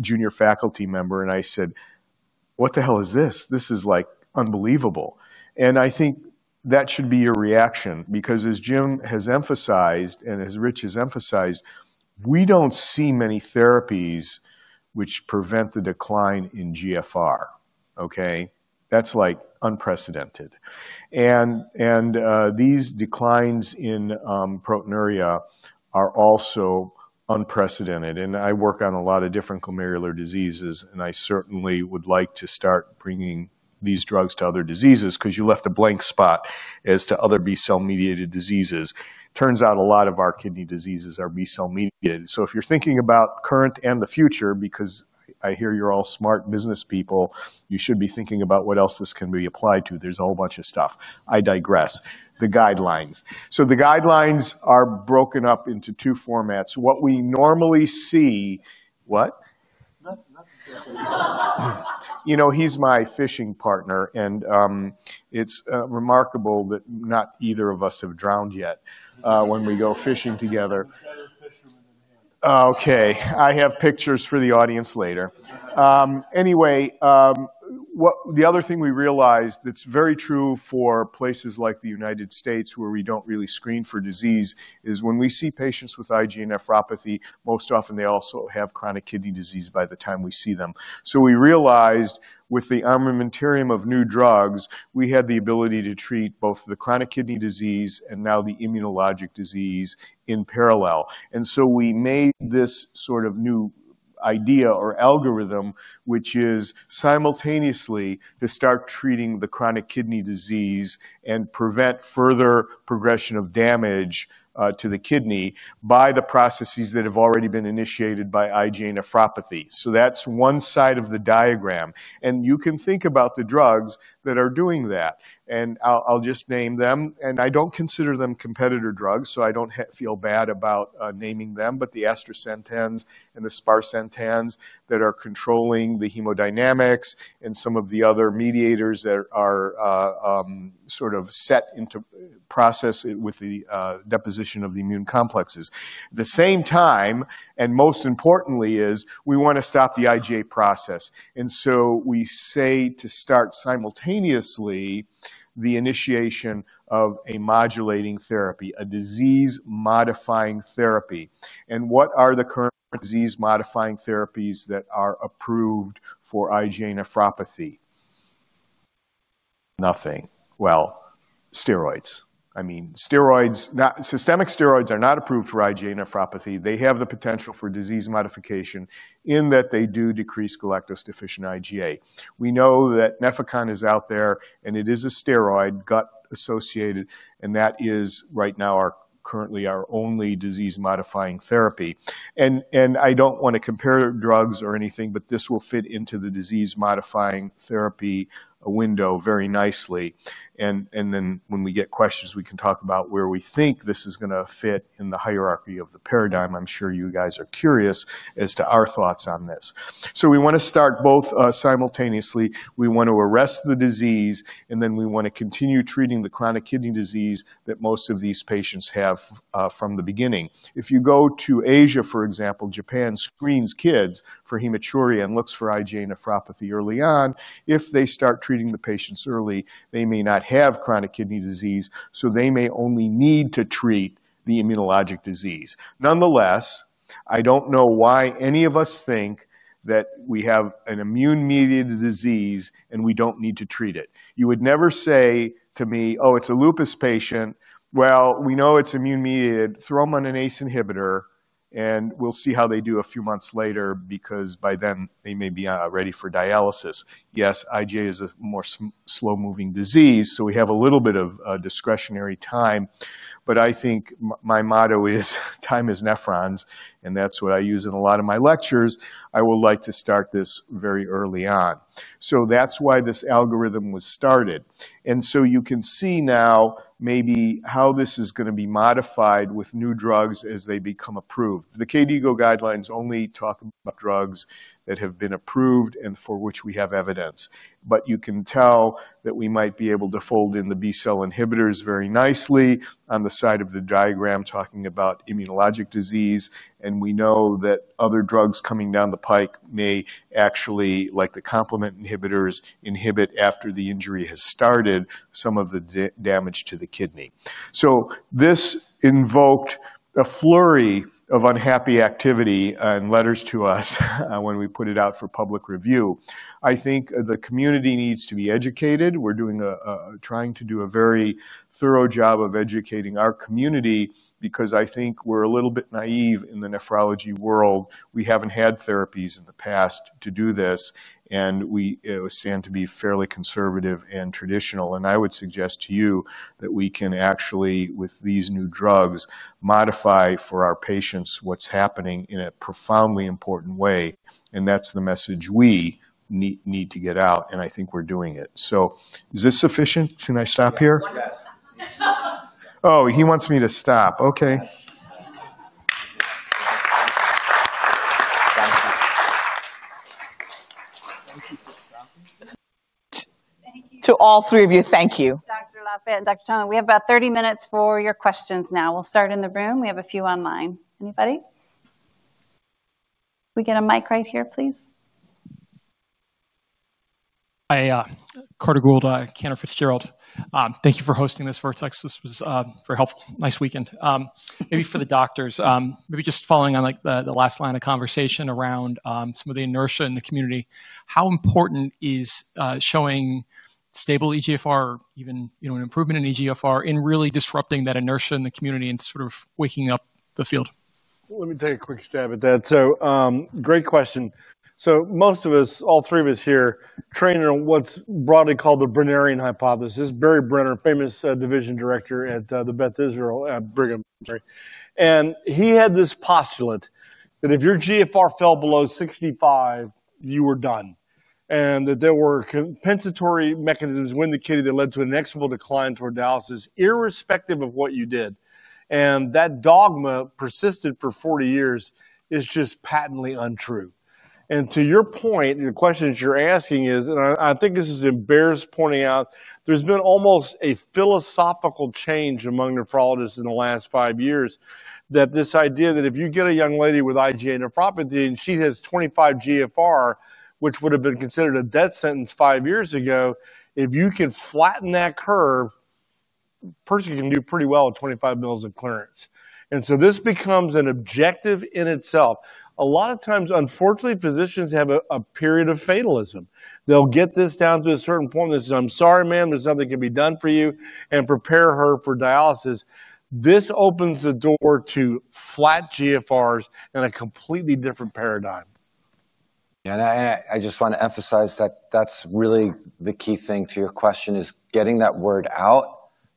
junior faculty member, and I said, "What the hell is this? This is unbelievable." I think that should be your reaction because, as Jim has emphasized and as Rich has emphasized, we do not see many therapies which prevent the decline in GFR, okay? That's unprecedented. These declines in proteinuria are also unprecedented. I work on a lot of different glomerular diseases, and I certainly would like to start bringing these drugs to other diseases because you left a blank spot as to other B-cell-mediated diseases. Turns out a lot of our kidney diseases are B-cell-mediated. If you're thinking about current and the future, because I hear you're all smart business people, you should be thinking about what else this can be applied to. There's a whole bunch of stuff. I digress. The guidelines. The guidelines are broken up into two formats. What we normally see—what? He's my fishing partner, and it's remarkable that not either of us have drowned yet when we go fishing together. Okay. I have pictures for the audience later. Anyway, the other thing we realized that's very true for places like the United States where we don't really screen for disease is when we see patients with IgA nephropathy, most often they also have chronic kidney disease by the time we see them. We realized with the armamentarium of new drugs, we had the ability to treat both the chronic kidney disease and now the immunologic disease in parallel. We made this sort of new idea or algorithm, which is simultaneously to start treating the chronic kidney disease and prevent further progression of damage to the kidney by the processes that have already been initiated by IgA nephropathy. That's one side of the diagram. You can think about the drugs that are doing that. I'll just name them, and I don't consider them competitor drugs, so I don't feel bad about naming them, but the Atrasentan and the Sparsentan that are controlling the hemodynamics and some of the other mediators that are sort of set into process with the deposition of the immune complexes. At the same time, and most importantly, is we want to stop the IgA process. We say to start simultaneously the initiation of a modulating therapy, a disease-modifying therapy. What are the current disease-modifying therapies that are approved for IgA nephropathy? Nothing. I mean, systemic steroids are not approved for IgA nephropathy. They have the potential for disease modification in that they do decrease galactose-deficient IgA. We know that Nefecon is out there, and it is a steroid gut-associated, and that is right now currently our only disease-modifying therapy. I do not want to compare drugs or anything, but this will fit into the disease-modifying therapy window very nicely. When we get questions, we can talk about where we think this is going to fit in the hierarchy of the paradigm. I am sure you guys are curious as to our thoughts on this. We want to start both simultaneously. We want to arrest the disease, and then we want to continue treating the chronic kidney disease that most of these patients have from the beginning. If you go to Asia, for example, Japan screens kids for hematuria and looks for IgA nephropathy early on. If they start treating the patients early, they may not have chronic kidney disease, so they may only need to treat the immunologic disease. Nonetheless, I don't know why any of us think that we have an immune-mediated disease and we don't need to treat it. You would never say to me, "Oh, it's a lupus patient. Well, we know it's immune-mediated. Throw them on an ACE inhibitor, and we'll see how they do a few months later because by then they may be ready for dialysis." Yes, IgA is a more slow-moving disease, so we have a little bit of discretionary time. I think my motto is, "Time is nephrons," and that's what I use in a lot of my lectures. I would like to start this very early on. That's why this algorithm was started. You can see now maybe how this is going to be modified with new drugs as they become approved. The KDIGO guidelines only talk about drugs that have been approved and for which we have evidence. You can tell that we might be able to fold in the B-cell inhibitors very nicely on the side of the diagram talking about immunologic disease, and we know that other drugs coming down the pike may actually, like the complement inhibitors, inhibit after the injury has started some of the damage to the kidney. This invoked a flurry of unhappy activity and letters to us when we put it out for public review. I think the community needs to be educated. We're trying to do a very thorough job of educating our community because I think we're a little bit naive in the nephrology world. We haven't had therapies in the past to do this, and we stand to be fairly conservative and traditional. I would suggest to you that we can actually, with these new drugs, modify for our patients what's happening in a profoundly important way, and that's the message we need to get out, and I think we're doing it. Is this sufficient? Can I stop here? Oh, he wants me to stop. Okay. Thank you. Thank you for stopping. Thank you. To all three of you, thank you. Dr. Lafayette and Dr. Tumlin, we have about 30 minutes for your questions now. We'll start in the room. We have a few online. Anybody? Can we get a mic right here, please? Hi, Carter Gould, Cantor Fitzgerald. Thank you for hosting this, Vertex. This was very helpful. Nice weekend. Maybe for the doctors, maybe just following on the last line of conversation around some of the inertia in the community, how important is showing stable eGFR, even an improvement in eGFR, in really disrupting that inertia in the community and sort of waking up the field? Let me take a quick stab at that. Great question. Most of us, all three of us here, trained on what is broadly called the Brenner hypothesis. Barry Brenner, famous division director at the Beth Israel Brigham, sorry. He had this postulate that if your GFR fell below 65, you were done, and that there were compensatory mechanisms within the kidney that led to an inexorable decline toward dialysis irrespective of what you did. That dogma persisted for 40 years and is just patently untrue. To your point, the question you're asking is, and I think this is worth pointing out, there's been almost a philosophical change among nephrologists in the last five years that this idea that if you get a young lady with IgA nephropathy and she has 25 GFR, which would have been considered a death sentence five years ago, if you can flatten that curve, a person can do pretty well at 25 mL of clearance. This becomes an objective in itself. A lot of times, unfortunately, physicians have a period of fatalism. They'll get this down to a certain point. They say, "I'm sorry, ma'am. There's nothing that can be done for you," and prepare her for dialysis. This opens the door to flat GFRs and a completely different paradigm. Yeah. I just want to emphasize that that's really the key thing to your question is getting that word out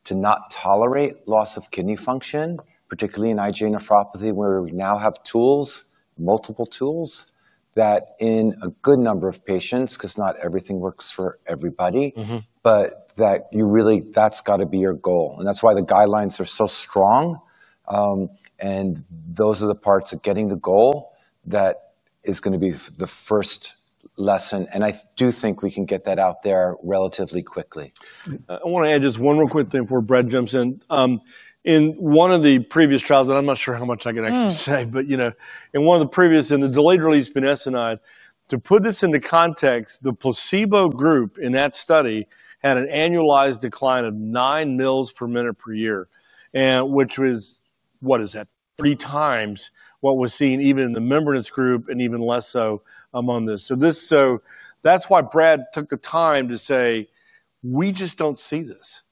to not tolerate loss of kidney function, particularly in IgA nephropathy where we now have tools, multiple tools, that in a good number of patients, because not everything works for everybody, but that you really, that's got to be your goal. That is why the guidelines are so strong. Those are the parts of getting the goal that is going to be the first lesson. I do think we can get that out there relatively quickly. I want to add just one real quick thing before Brad jumps in. In one of the previous trials, and I'm not sure how much I can actually say, but in one of the previous, in the delayed-release budesonide, to put this into context, the placebo group in that study had an annualized decline of 9 mL per minute per year, which was, what is that, three times what was seen even in the membranous group and even less so among this. That is why Brad took the time to say, "We just don't see this."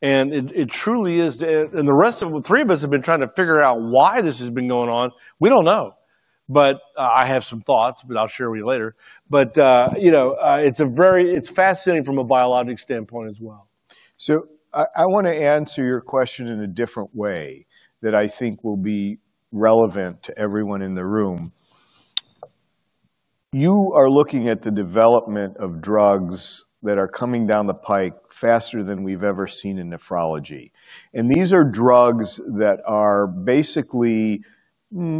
It truly is. The rest of the three of us have been trying to figure out why this has been going on. We don't know. I have some thoughts, but I'll share with you later. It's fascinating from a biologic standpoint as well. I want to answer your question in a different way that I think will be relevant to everyone in the room. You are looking at the development of drugs that are coming down the pike faster than we've ever seen in nephrology. These are drugs that are basically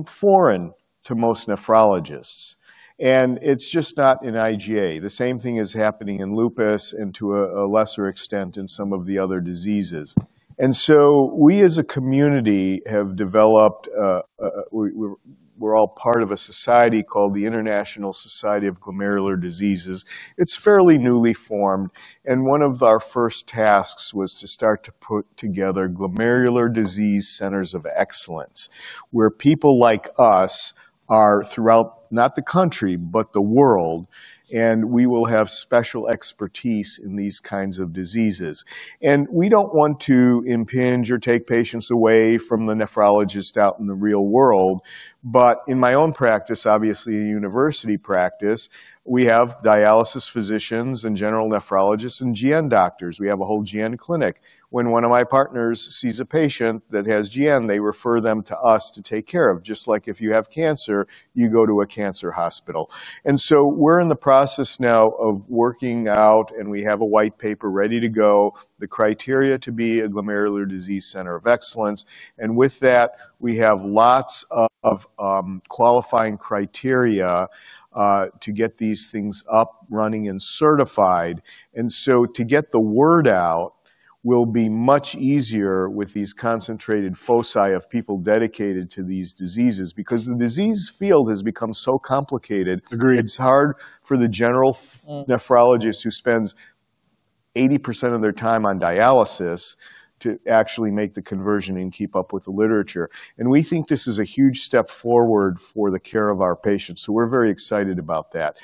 foreign to most nephrologists. It's just not in IgA. The same thing is happening in lupus and to a lesser extent in some of the other diseases. We, as a community, have developed—we're all part of a society called the International Society of Glomerular Diseases. It's fairly newly formed. One of our first tasks was to start to put together glomerular disease centers of excellence where people like us are throughout not the country, but the world. We will have special expertise in these kinds of diseases. We do not want to impinge or take patients away from the nephrologist out in the real world. In my own practice, obviously a university practice, we have dialysis physicians and general nephrologists and GN doctors. We have a whole GN clinic. When one of my partners sees a patient that has GN, they refer them to us to take care of, just like if you have cancer, you go to a cancer hospital. We are in the process now of working out, and we have a white paper ready to go, the criteria to be a glomerular disease center of excellence. With that, we have lots of qualifying criteria to get these things up, running, and certified. To get the word out will be much easier with these concentrated foci of people dedicated to these diseases because the disease field has become so complicated. Agreed. It's hard for the general nephrologist who spends 80% of their time on dialysis to actually make the conversion and keep up with the literature. We think this is a huge step forward for the care of our patients. We are very excited about that.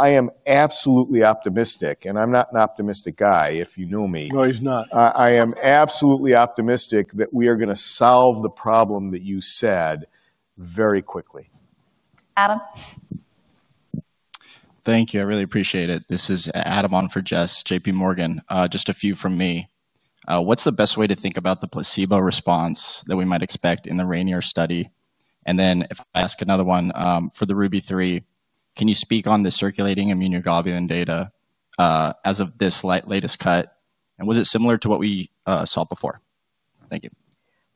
I am absolutely optimistic, and I'm not an optimistic guy, if you knew me. No, he's not. I am absolutely optimistic that we are going to solve the problem that you said very quickly. Adam? Thank you. I really appreciate it. This is Adam on for Jess, JPMorgan. Just a few from me. What's the best way to think about the placebo response that we might expect in the RAINIER study? If I ask another one, for the RUBY-3, can you speak on the circulating immunoglobulin data as of this latest cut? Was it similar to what we saw before? Thank you.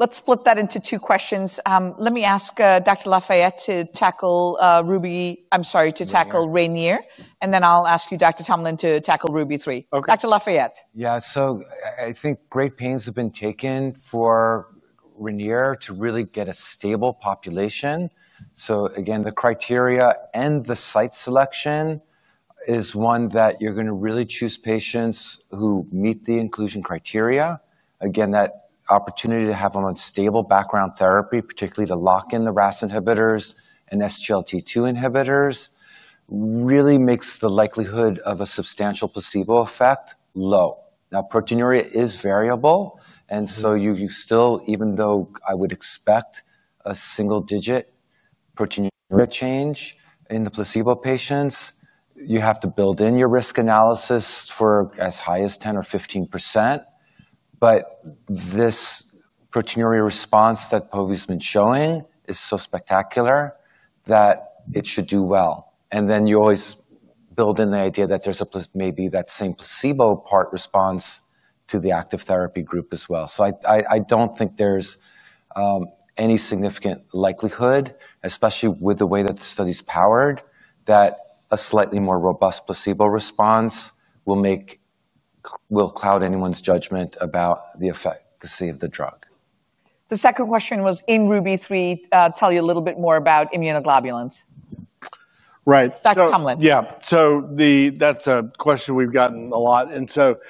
Let's flip that into two questions. Let me ask Dr. Lafayette to tackle RAINIER. And then I'll ask you, Dr. Tumlin, to tackle RUBY-3. Dr. Lafayette? Yeah. I think great pains have been taken for RAINIER to really get a stable population. Again, the criteria and the site selection is one that you're going to really choose patients who meet the inclusion criteria. Again, that opportunity to have them on stable background therapy, particularly to lock in the RAS inhibitors and SGLT2 inhibitors, really makes the likelihood of a substantial placebo effect low. Now, proteinuria is variable. You still, even though I would expect a single-digit proteinuria change in the placebo patients, have to build in your risk analysis for as high as 10% or 15%. This proteinuria response that Pove's been showing is so spectacular that it should do well. You always build in the idea that there's maybe that same placebo part response to the active therapy group as well. I don't think there's any significant likelihood, especially with the way that the study's powered, that a slightly more robust placebo response will cloud anyone's judgment about the efficacy of the drug. The second question was, in RUBY-3, tell you a little bit more about immunoglobulins. Right. Dr. Tumlin. Yeah. That's a question we've gotten a lot. The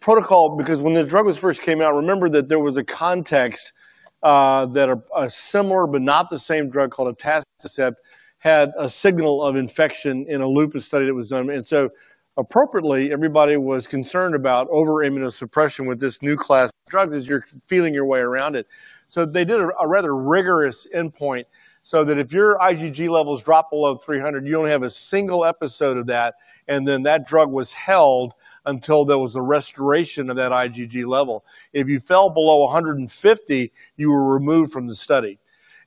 protocol, because when the drug first came out, remember that there was a context that a similar but not the same drug called Atacicept had a signal of infection in a lupus study that was done. Appropriately, everybody was concerned about over-immunosuppression with this new class of drugs as you're feeling your way around it. They did a rather rigorous endpoint so that if your IgG levels drop below 300, you only have a single episode of that. Then that drug was held until there was a restoration of that IgG level. If you fell below 150, you were removed from the study.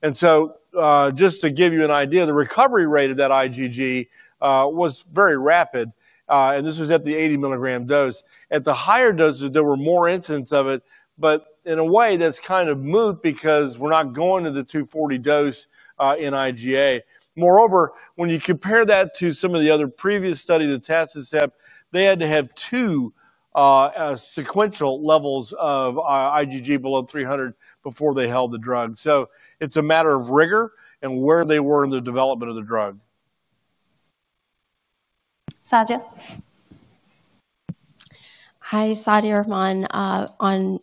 Just to give you an idea, the recovery rate of that IgG was very rapid. This was at the 80 mg dose. At the higher doses, there were more incidents of it, but in a way, that's kind of moot because we're not going to the 240 dose in IgA. Moreover, when you compare that to some of the other previous studies, Atacicept, they had to have two sequential levels of IgG below 300 before they held the drug. It is a matter of rigor and where they were in the development of the drug. Sadia? Hi, Sadia Rahman on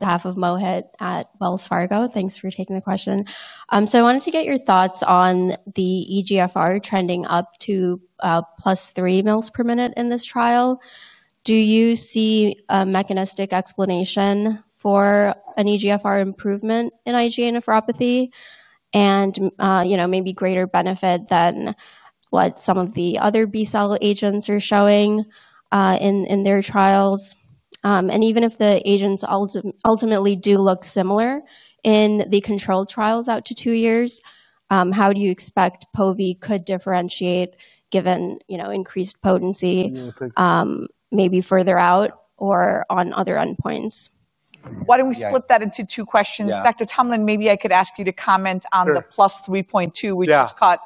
behalf of Mohit at Wells Fargo. Thanks for taking the question. I wanted to get your thoughts on the eGFR trending up to +3 mL per minute in this trial. Do you see a mechanistic explanation for an eGFR improvement in IgA nephropathy and maybe greater benefit than what some of the other B-cell agents are showing in their trials? Even if the agents ultimately do look similar in the controlled trials out to two years, how do you expect Pove could differentiate given increased potency maybe further out or on other endpoints? Why do not we split that into two questions? Dr. Tumlin, maybe I could ask you to comment on the plus 3.2, which has caught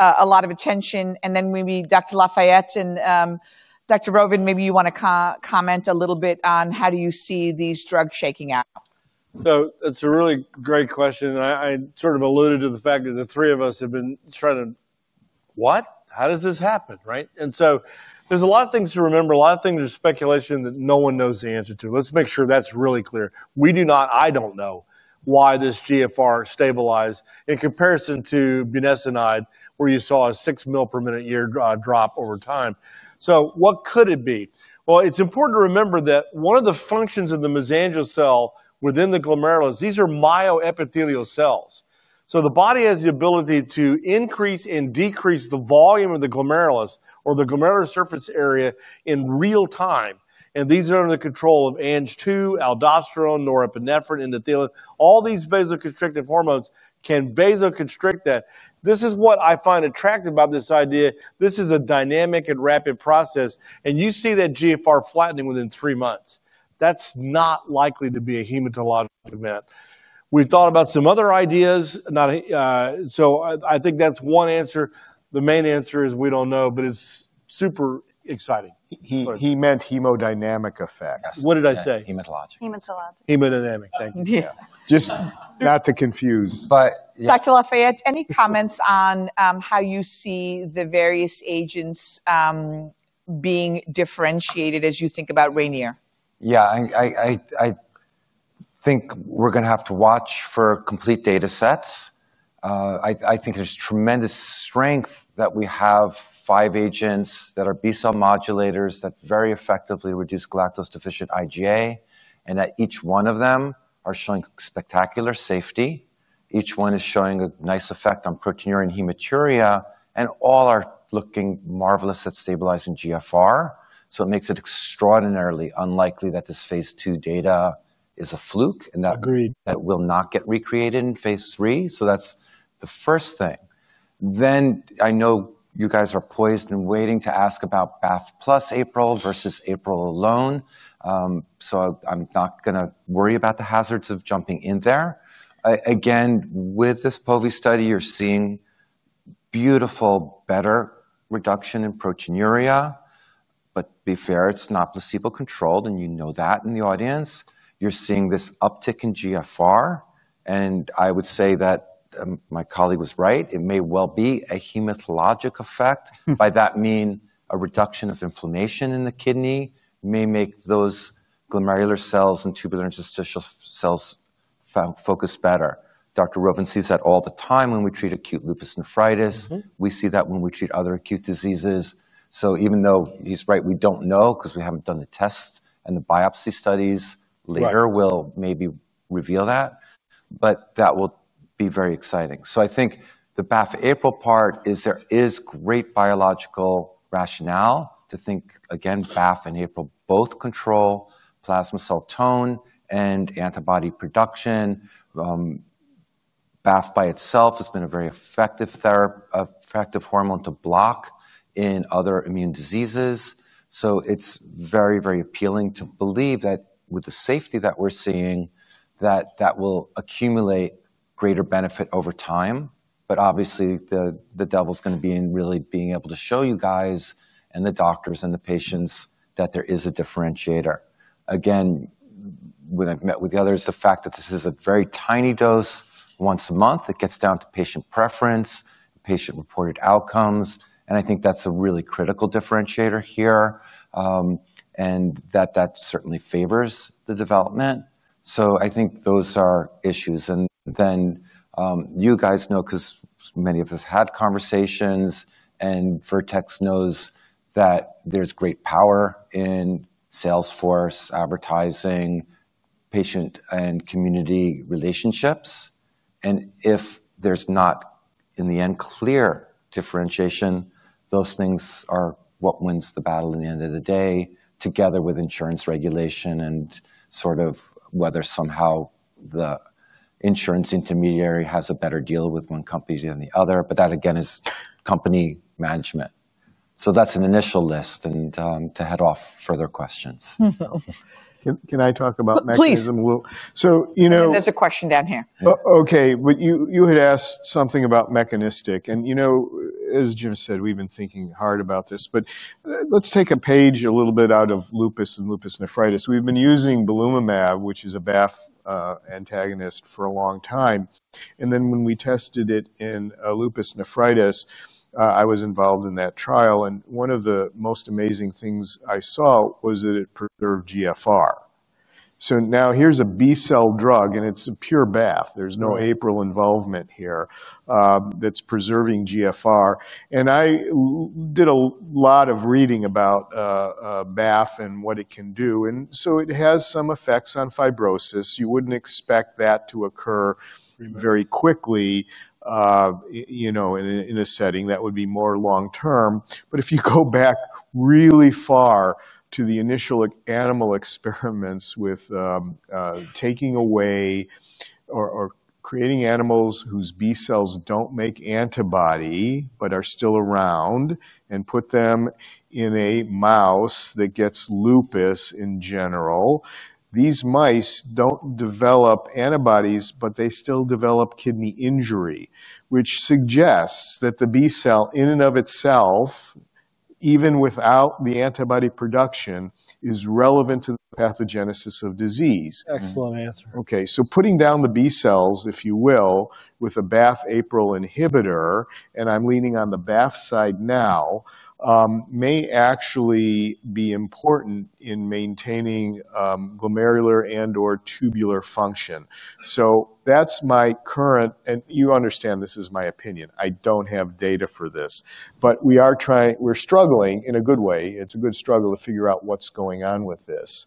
a lot of attention. Then maybe Dr. Lafayette and Dr. Rovin, maybe you want to comment a little bit on how do you see these drugs shaking out? It is a really great question. I sort of alluded to the fact that the three of us have been trying to, "What? How does this happen?" Right? There are a lot of things to remember. A lot of things are speculation that no one knows the answer to. Let us make sure that is really clear. We do not, I do not know why this GFR stabilized in comparison to budesonide, where you saw a 6 mL per minute year drop over time. What could it be? It's important to remember that one of the functions of the mesangial cell within the glomerulus, these are myoepithelial cells. The body has the ability to increase and decrease the volume of the glomerulus or the glomerular surface area in real time. These are under the control of ANG2, aldosterone, norepinephrine, endothelin. All these vasoconstrictive hormones can vasoconstrict that. This is what I find attractive about this idea. This is a dynamic and rapid process. You see that GFR flattening within three months. That's not likely to be a hematologic event. We've thought about some other ideas. I think that's one answer. The main answer is we don't know, but it's super exciting. He meant hemodynamic effects. What did I say? Hematologic. Hematologic. Hemodynamic. Thank you. Just not to confuse. Dr.Lafayette, any comments on how you see the various agents being differentiated as you think about RAINIER? Yeah. I think we're going to have to watch for complete data sets. I think there's tremendous strength that we have five agents that are B-cell modulators that very effectively reduce galactose-deficient IgA. Each one of them is showing spectacular safety. Each one is showing a nice effect on proteinuria and hematuria. All are looking marvelous at stabilizing GFR. It makes it extraordinarily unlikely that this phase two data is a fluke and that will not get recreated in phase three. That's the first thing. I know you guys are poised and waiting to ask about BAFF plus APRIL versus APRIL alone. I'm not going to worry about the hazards of jumping in there. Again, with this Pove study, you're seeing beautiful, better reduction in proteinuria. To be fair, it's not placebo-controlled, and you know that in the audience. You're seeing this uptick in GFR. I would say that my colleague was right. It may well be a hematologic effect. By that I mean, a reduction of inflammation in the kidney may make those glomerular cells and tubular interstitial cells focus better. Dr. Rovin sees that all the time when we treat acute lupus nephritis. We see that when we treat other acute diseases. Even though he's right, we don't know because we haven't done the tests and the biopsy studies later will maybe reveal that. That will be very exciting. I think the BAFF-APRIL part is there is great biological rationale to think, again, BAFF and APRIL both control plasma cell tone and antibody production. BAFF by itself has been a very effective hormone to block in other immune diseases. It is very, very appealing to believe that with the safety that we're seeing, that that will accumulate greater benefit over time. Obviously, the devil's going to be in really being able to show you guys and the doctors and the patients that there is a differentiator. Again, when I've met with the others, the fact that this is a very tiny dose once a month, it gets down to patient preference, patient-reported outcomes. I think that's a really critical differentiator here. That certainly favors the development. I think those are issues. You guys know because many of us had conversations and Vertex knows that there's great power in Salesforce, advertising, patient and community relationships. If there is not, in the end, clear differentiation, those things are what wins the battle at the end of the day, together with insurance regulation and sort of whether somehow the insurance intermediary has a better deal with one company than the other. That, again, is company management. That is an initial list and to head off further questions. Can I talk about mechanism? So you know And there is a question down here. Okay. You had asked something about mechanistic. You know, as Jim said, we have been thinking hard about this. Take a page a little bit out of lupus and lupus nephritis. We have been using Belimumab, which is a BAFF antagonist, for a long time. When we tested it in lupus nephritis, I was involved in that trial. One of the most amazing things I saw was that it preserved GFR. Now here's a B-cell drug, and it's a pure BAFF. There's no APRIL involvement here that's preserving GFR. I did a lot of reading about BAFF and what it can do. It has some effects on fibrosis. You would not expect that to occur very quickly in a setting that would be more long-term. If you go back really far to the initial animal experiments with taking away or creating animals whose B-cells do not make antibody but are still around and put them in a mouse that gets lupus in general, these mice do not develop antibodies, but they still develop kidney injury, which suggests that the B-cell in and of itself, even without the antibody production, is relevant to the pathogenesis of disease. Excellent answer. Okay.Putting down the B-cells, if you will, with a BAFF-APRIL inhibitor, and I'm leaning on the BAFF side now, may actually be important in maintaining glomerular and/or tubular function. That's my current, and you understand this is my opinion. I don't have data for this. We are trying, we're struggling in a good way. It's a good struggle to figure out what's going on with this.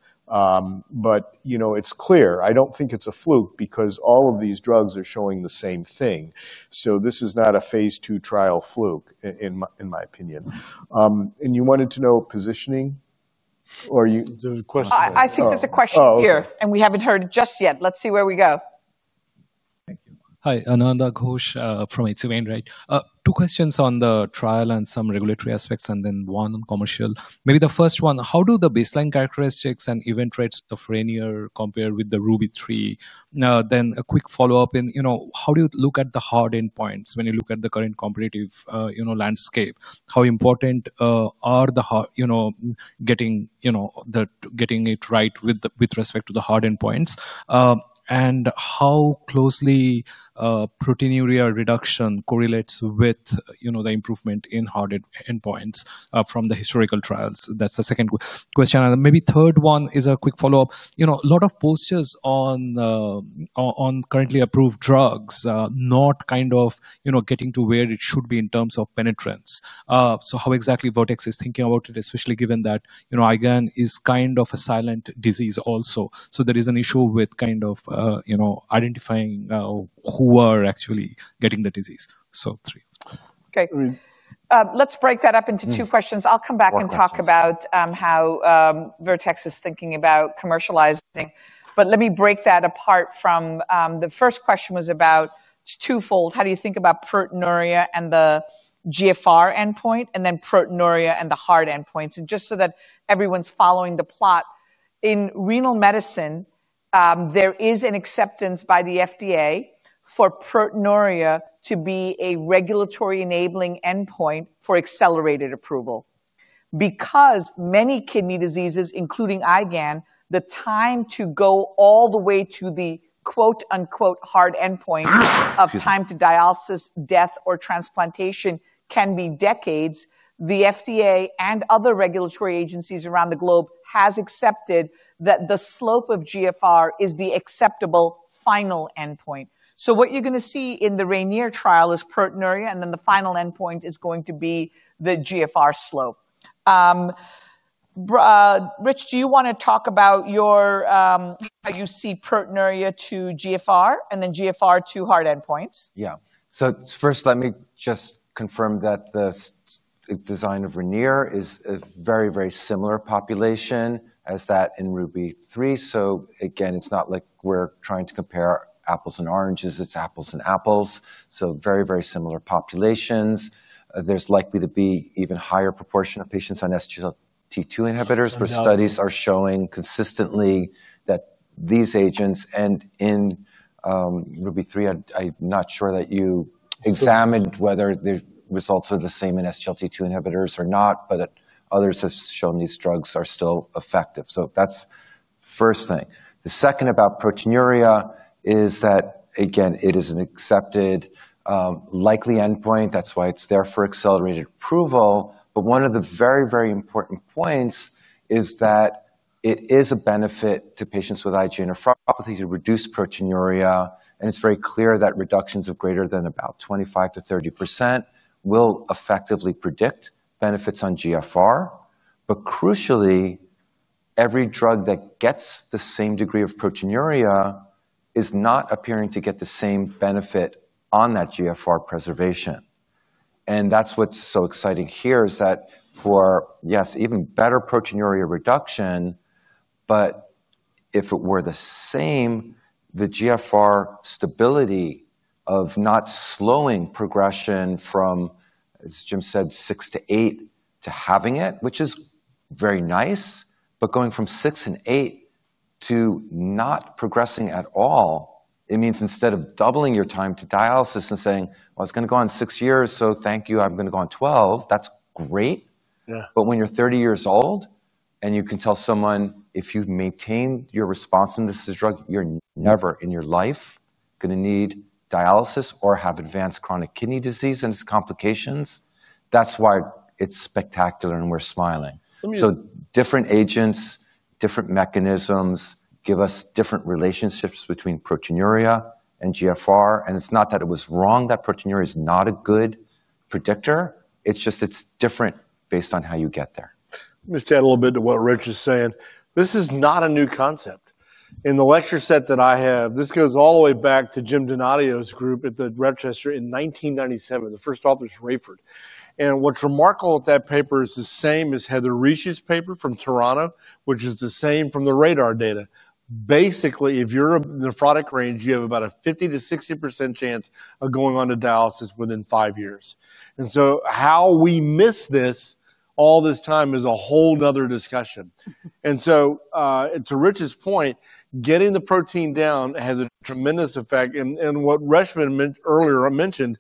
It's clear. I don't think it's a fluke because all of these drugs are showing the same thing. This is not a phase two trial fluke, in my opinion. You wanted to know positioning? Or there's a question here. I think there's a question here, and we haven't heard it just yet. Let's see where we go. Hi, Ananda Ghosh from H.C. Wainright. Two questions on the trial and some regulatory aspects, and then one on commercial. Maybe the first one, how do the baseline characteristics and event rates of RAINIER compare with the RUBY-3? Then a quick follow-up in how do you look at the hard endpoints when you look at the current competitive landscape? How important are the getting it right with respect to the hard endpoints? How closely proteinuria reduction correlates with the improvement in hard endpoints from the historical trials? That is the second question. Maybe third one is a quick follow-up. A lot of posters on currently approved drugs not kind of getting to where it should be in terms of penetrance. How exactly Vertex is thinking about it, especially given that IgAN is kind of a silent disease also. There is an issue with kind of identifying who are actually getting the disease. Three. Okay. Let's break that up into two questions. I'll come back and talk about how Vertex is thinking about commercializing. Let me break that apart from the first question, which was about twofold. How do you think about proteinuria and the GFR endpoint, and then proteinuria and the hard endpoints? Just so that everyone's following the plot, in renal medicine, there is an acceptance by the FDA for proteinuria to be a regulatory enabling endpoint for accelerated approval. Because many kidney diseases, including IgAN, the time to go all the way to the quote-unquote hard endpoint of time to dialysis, death, or transplantation can be decades. The FDA and other regulatory agencies around the globe have accepted that the slope of GFR is the acceptable final endpoint. What you're going to see in the RAINIER trial is proteinuria, and then the final endpoint is going to be the GFR slope. Rich, do you want to talk about how you see proteinuria to GFR and then GFR to hard endpoints? Yeah. First, let me just confirm that the design of RAINIER is a very, very similar population as that in RUBY-3. Again, it's not like we're trying to compare apples and oranges. It's apples and apples. Very, very similar populations. There's likely to be an even higher proportion of patients on SGLT2 inhibitors, where studies are showing consistently that these agents, and in RUBY-3, I'm not sure that you examined whether the results are the same in SGLT2 inhibitors or not, but others have shown these drugs are still effective. That's the first thing. The second about proteinuria is that, again, it is an accepted likely endpoint. That's why it's there for accelerated approval. One of the very, very important points is that it is a benefit to patients with IgA nephropathy to reduce proteinuria. It is very clear that reductions of greater than about 25%-30% will effectively predict benefits on GFR. Crucially, every drug that gets the same degree of proteinuria is not appearing to get the same benefit on that GFR preservation. That is what is so exciting here, that for, yes, even better proteinuria reduction, but if it were the same, the GFR stability of not slowing progression from, as Jim said, six to eight to having it, which is very nice, but going from six and eight to not progressing at all, it means instead of doubling your time to dialysis and saying, "I was going to go on six years, so thank you. I am going to go on 12," that is great. When you're 30 years old and you can tell someone if you maintain your response and this is a drug, you're never in your life going to need dialysis or have advanced chronic kidney disease and its complications. That's why it's spectacular and we're smiling. Different agents, different mechanisms give us different relationships between proteinuria and GFR. It's not that it was wrong that proteinuria is not a good predictor. It's just it's different based on how you get there. Let me just add a little bit to what Rich is saying. This is not a new concept. In the lecture set that I have, this goes all the way back to Jim Donadio's group at Rochester in 1997, the first author is Rayford. What's remarkable with that paper is the same as Heather Richie's paper from Toronto, which is the same from the RADAR data. Basically, if you're in a nephrotic range, you have about a 50%-60% chance of going on to dialysis within five years. How we missed this all this time is a whole nother discussion. To Rich's point, getting the protein down has a tremendous effect. What Reshma earlier mentioned,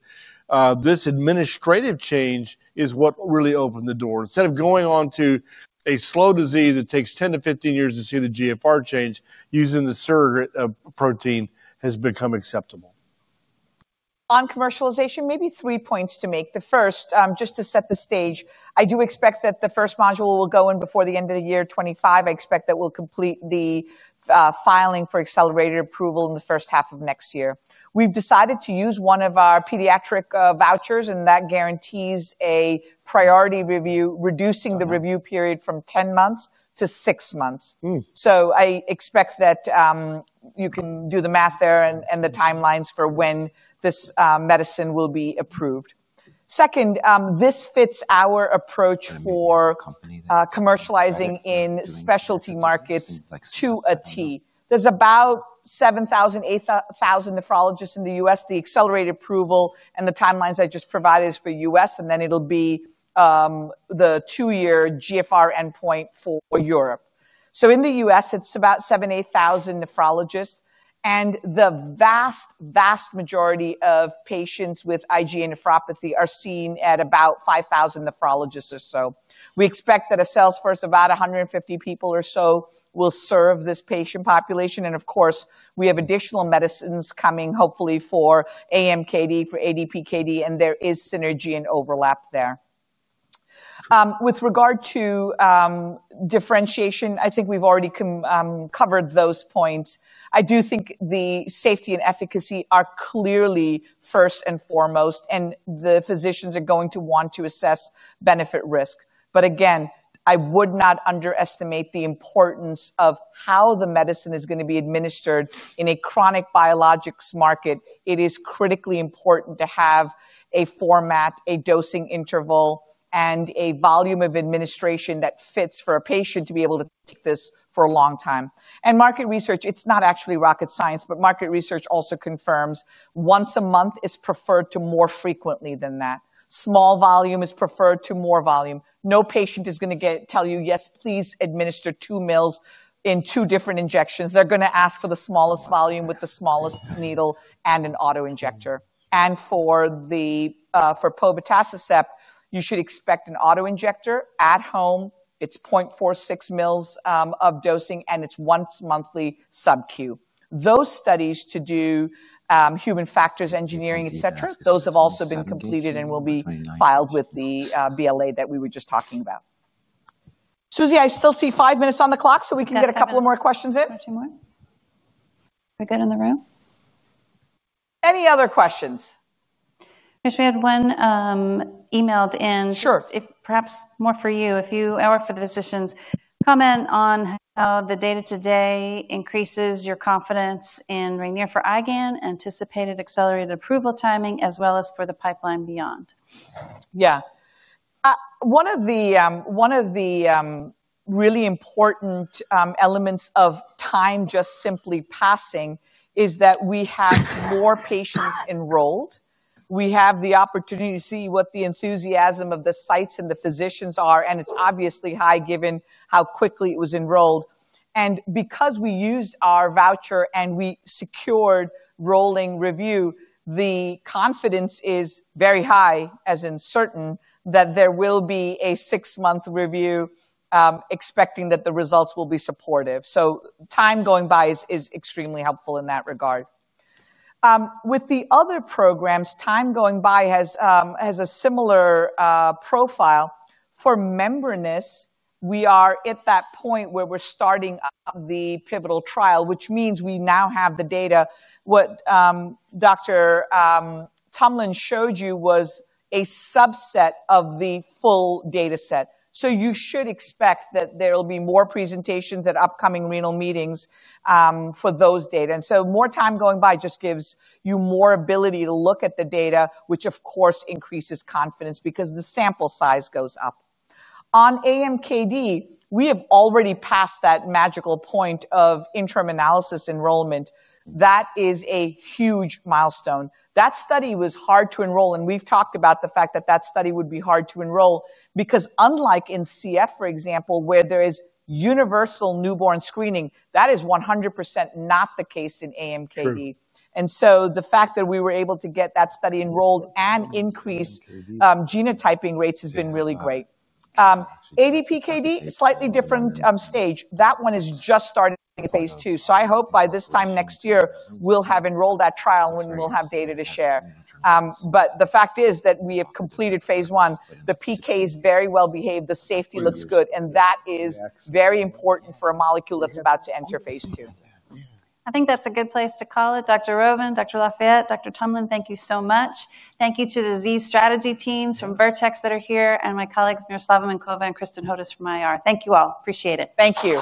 this administrative change is what really opened the door. Instead of going on to a slow disease that takes 10-15 years to see the GFR change, using the surrogate protein has become acceptable. On commercialization, maybe three points to make. The first, just to set the stage, I do expect that the first module will go in before the end of the year 2025. I expect that we'll complete the filing for accelerated approval in the first half of next year. We've decided to use one of our pediatric vouchers, and that guarantees a priority review, reducing the review period from 10 months to 6 months. I expect that you can do the math there and the timelines for when this medicine will be approved. Second, this fits our approach for commercializing in specialty markets to a T. There's about 7,000-8,000 nephrologists in the U.S. The accelerated approval and the timelines I just provided is for the U.S., and then it'll be the two-year GFR endpoint for Europe. In the U.S., it's about 7,000-8,000 nephrologists. The vast, vast majority of patients with IgA nephropathy are seen at about 5,000 nephrologists or so. We expect that a Salesforce of about 150 people or so will serve this patient population. Of course, we have additional medicines coming, hopefully for AMKD, for ADPKD, and there is synergy and overlap there. With regard to differentiation, I think we've already covered those points. I do think the safety and efficacy are clearly first and foremost, and the physicians are going to want to assess benefit-risk. I would not underestimate the importance of how the medicine is going to be administered in a chronic biologics market. It is critically important to have a format, a dosing interval, and a volume of administration that fits for a patient to be able to take this for a long time. Market research, it's not actually rocket science, but market research also confirms once a month is preferred to more frequently than that. Small volume is preferred to more volume. No patient is going to tell you, "Yes, please administer 2 mL in two different injections." They're going to ask for the smallest volume with the smallest needle and an auto injector. And for Povatacicept, you should expect an auto injector at home. It's 0.46 mL of dosing, and it's once monthly SubQ. Those studies to do human factors engineering, etc., those have also been completed and will be filed with the BLA that we were just talking about. Susie, I still see five minutes on the clock, so we can get a couple more questions in. We're good in the room? Any other questions? I wish we had one emailed in. Sure. Perhaps more for you, if you or for the physicians. Comment on how the data today increases your confidence in RAINIER for IgAN, anticipated accelerated approval timing, as well as for the pipeline beyond. Yeah. One of the really important elements of time just simply passing is that we have more patients enrolled. We have the opportunity to see what the enthusiasm of the sites and the physicians are, and it is obviously high given how quickly it was enrolled. Because we used our voucher and we secured rolling review, the confidence is very high, as in certain, that there will be a six-month review expecting that the results will be supportive. Time going by is extremely helpful in that regard. With the other programs, time going by has a similar profile. For membranous, we are at that point where we are starting the pivotal trial, which means we now have the data. What Dr. Tumlin showed you was a subset of the full data set. You should expect that there will be more presentations at upcoming renal meetings for those data. More time going by just gives you more ability to look at the data, which of course increases confidence because the sample size goes up. On AMKD, we have already passed that magical point of interim analysis enrollment. That is a huge milestone. That study was hard to enroll, and we've talked about the fact that that study would be hard to enroll because unlike in CF, for example, where there is universal newborn screening, that is 100% not the case in AMKD. The fact that we were able to get that study enrolled and increase genotyping rates has been really great. ADPKD, slightly different stage. That one has just started phase two. I hope by this time next year, we'll have enrolled that trial and we'll have data to share. The fact is that we have completed phase one. The PK is very well behaved. The safety looks good, and that is very important for a molecule that's about to enter phase two. I think that's a good place to call it. Dr. Rovin, Dr. Lafayette, Dr. Tumlin, thank you so much. Thank you to the Z strategy teams from Vertex that are here and my colleagues, Miroslava Minkova and Kristin Hodous from IR. Thank you all. Appreciate it. Thank you.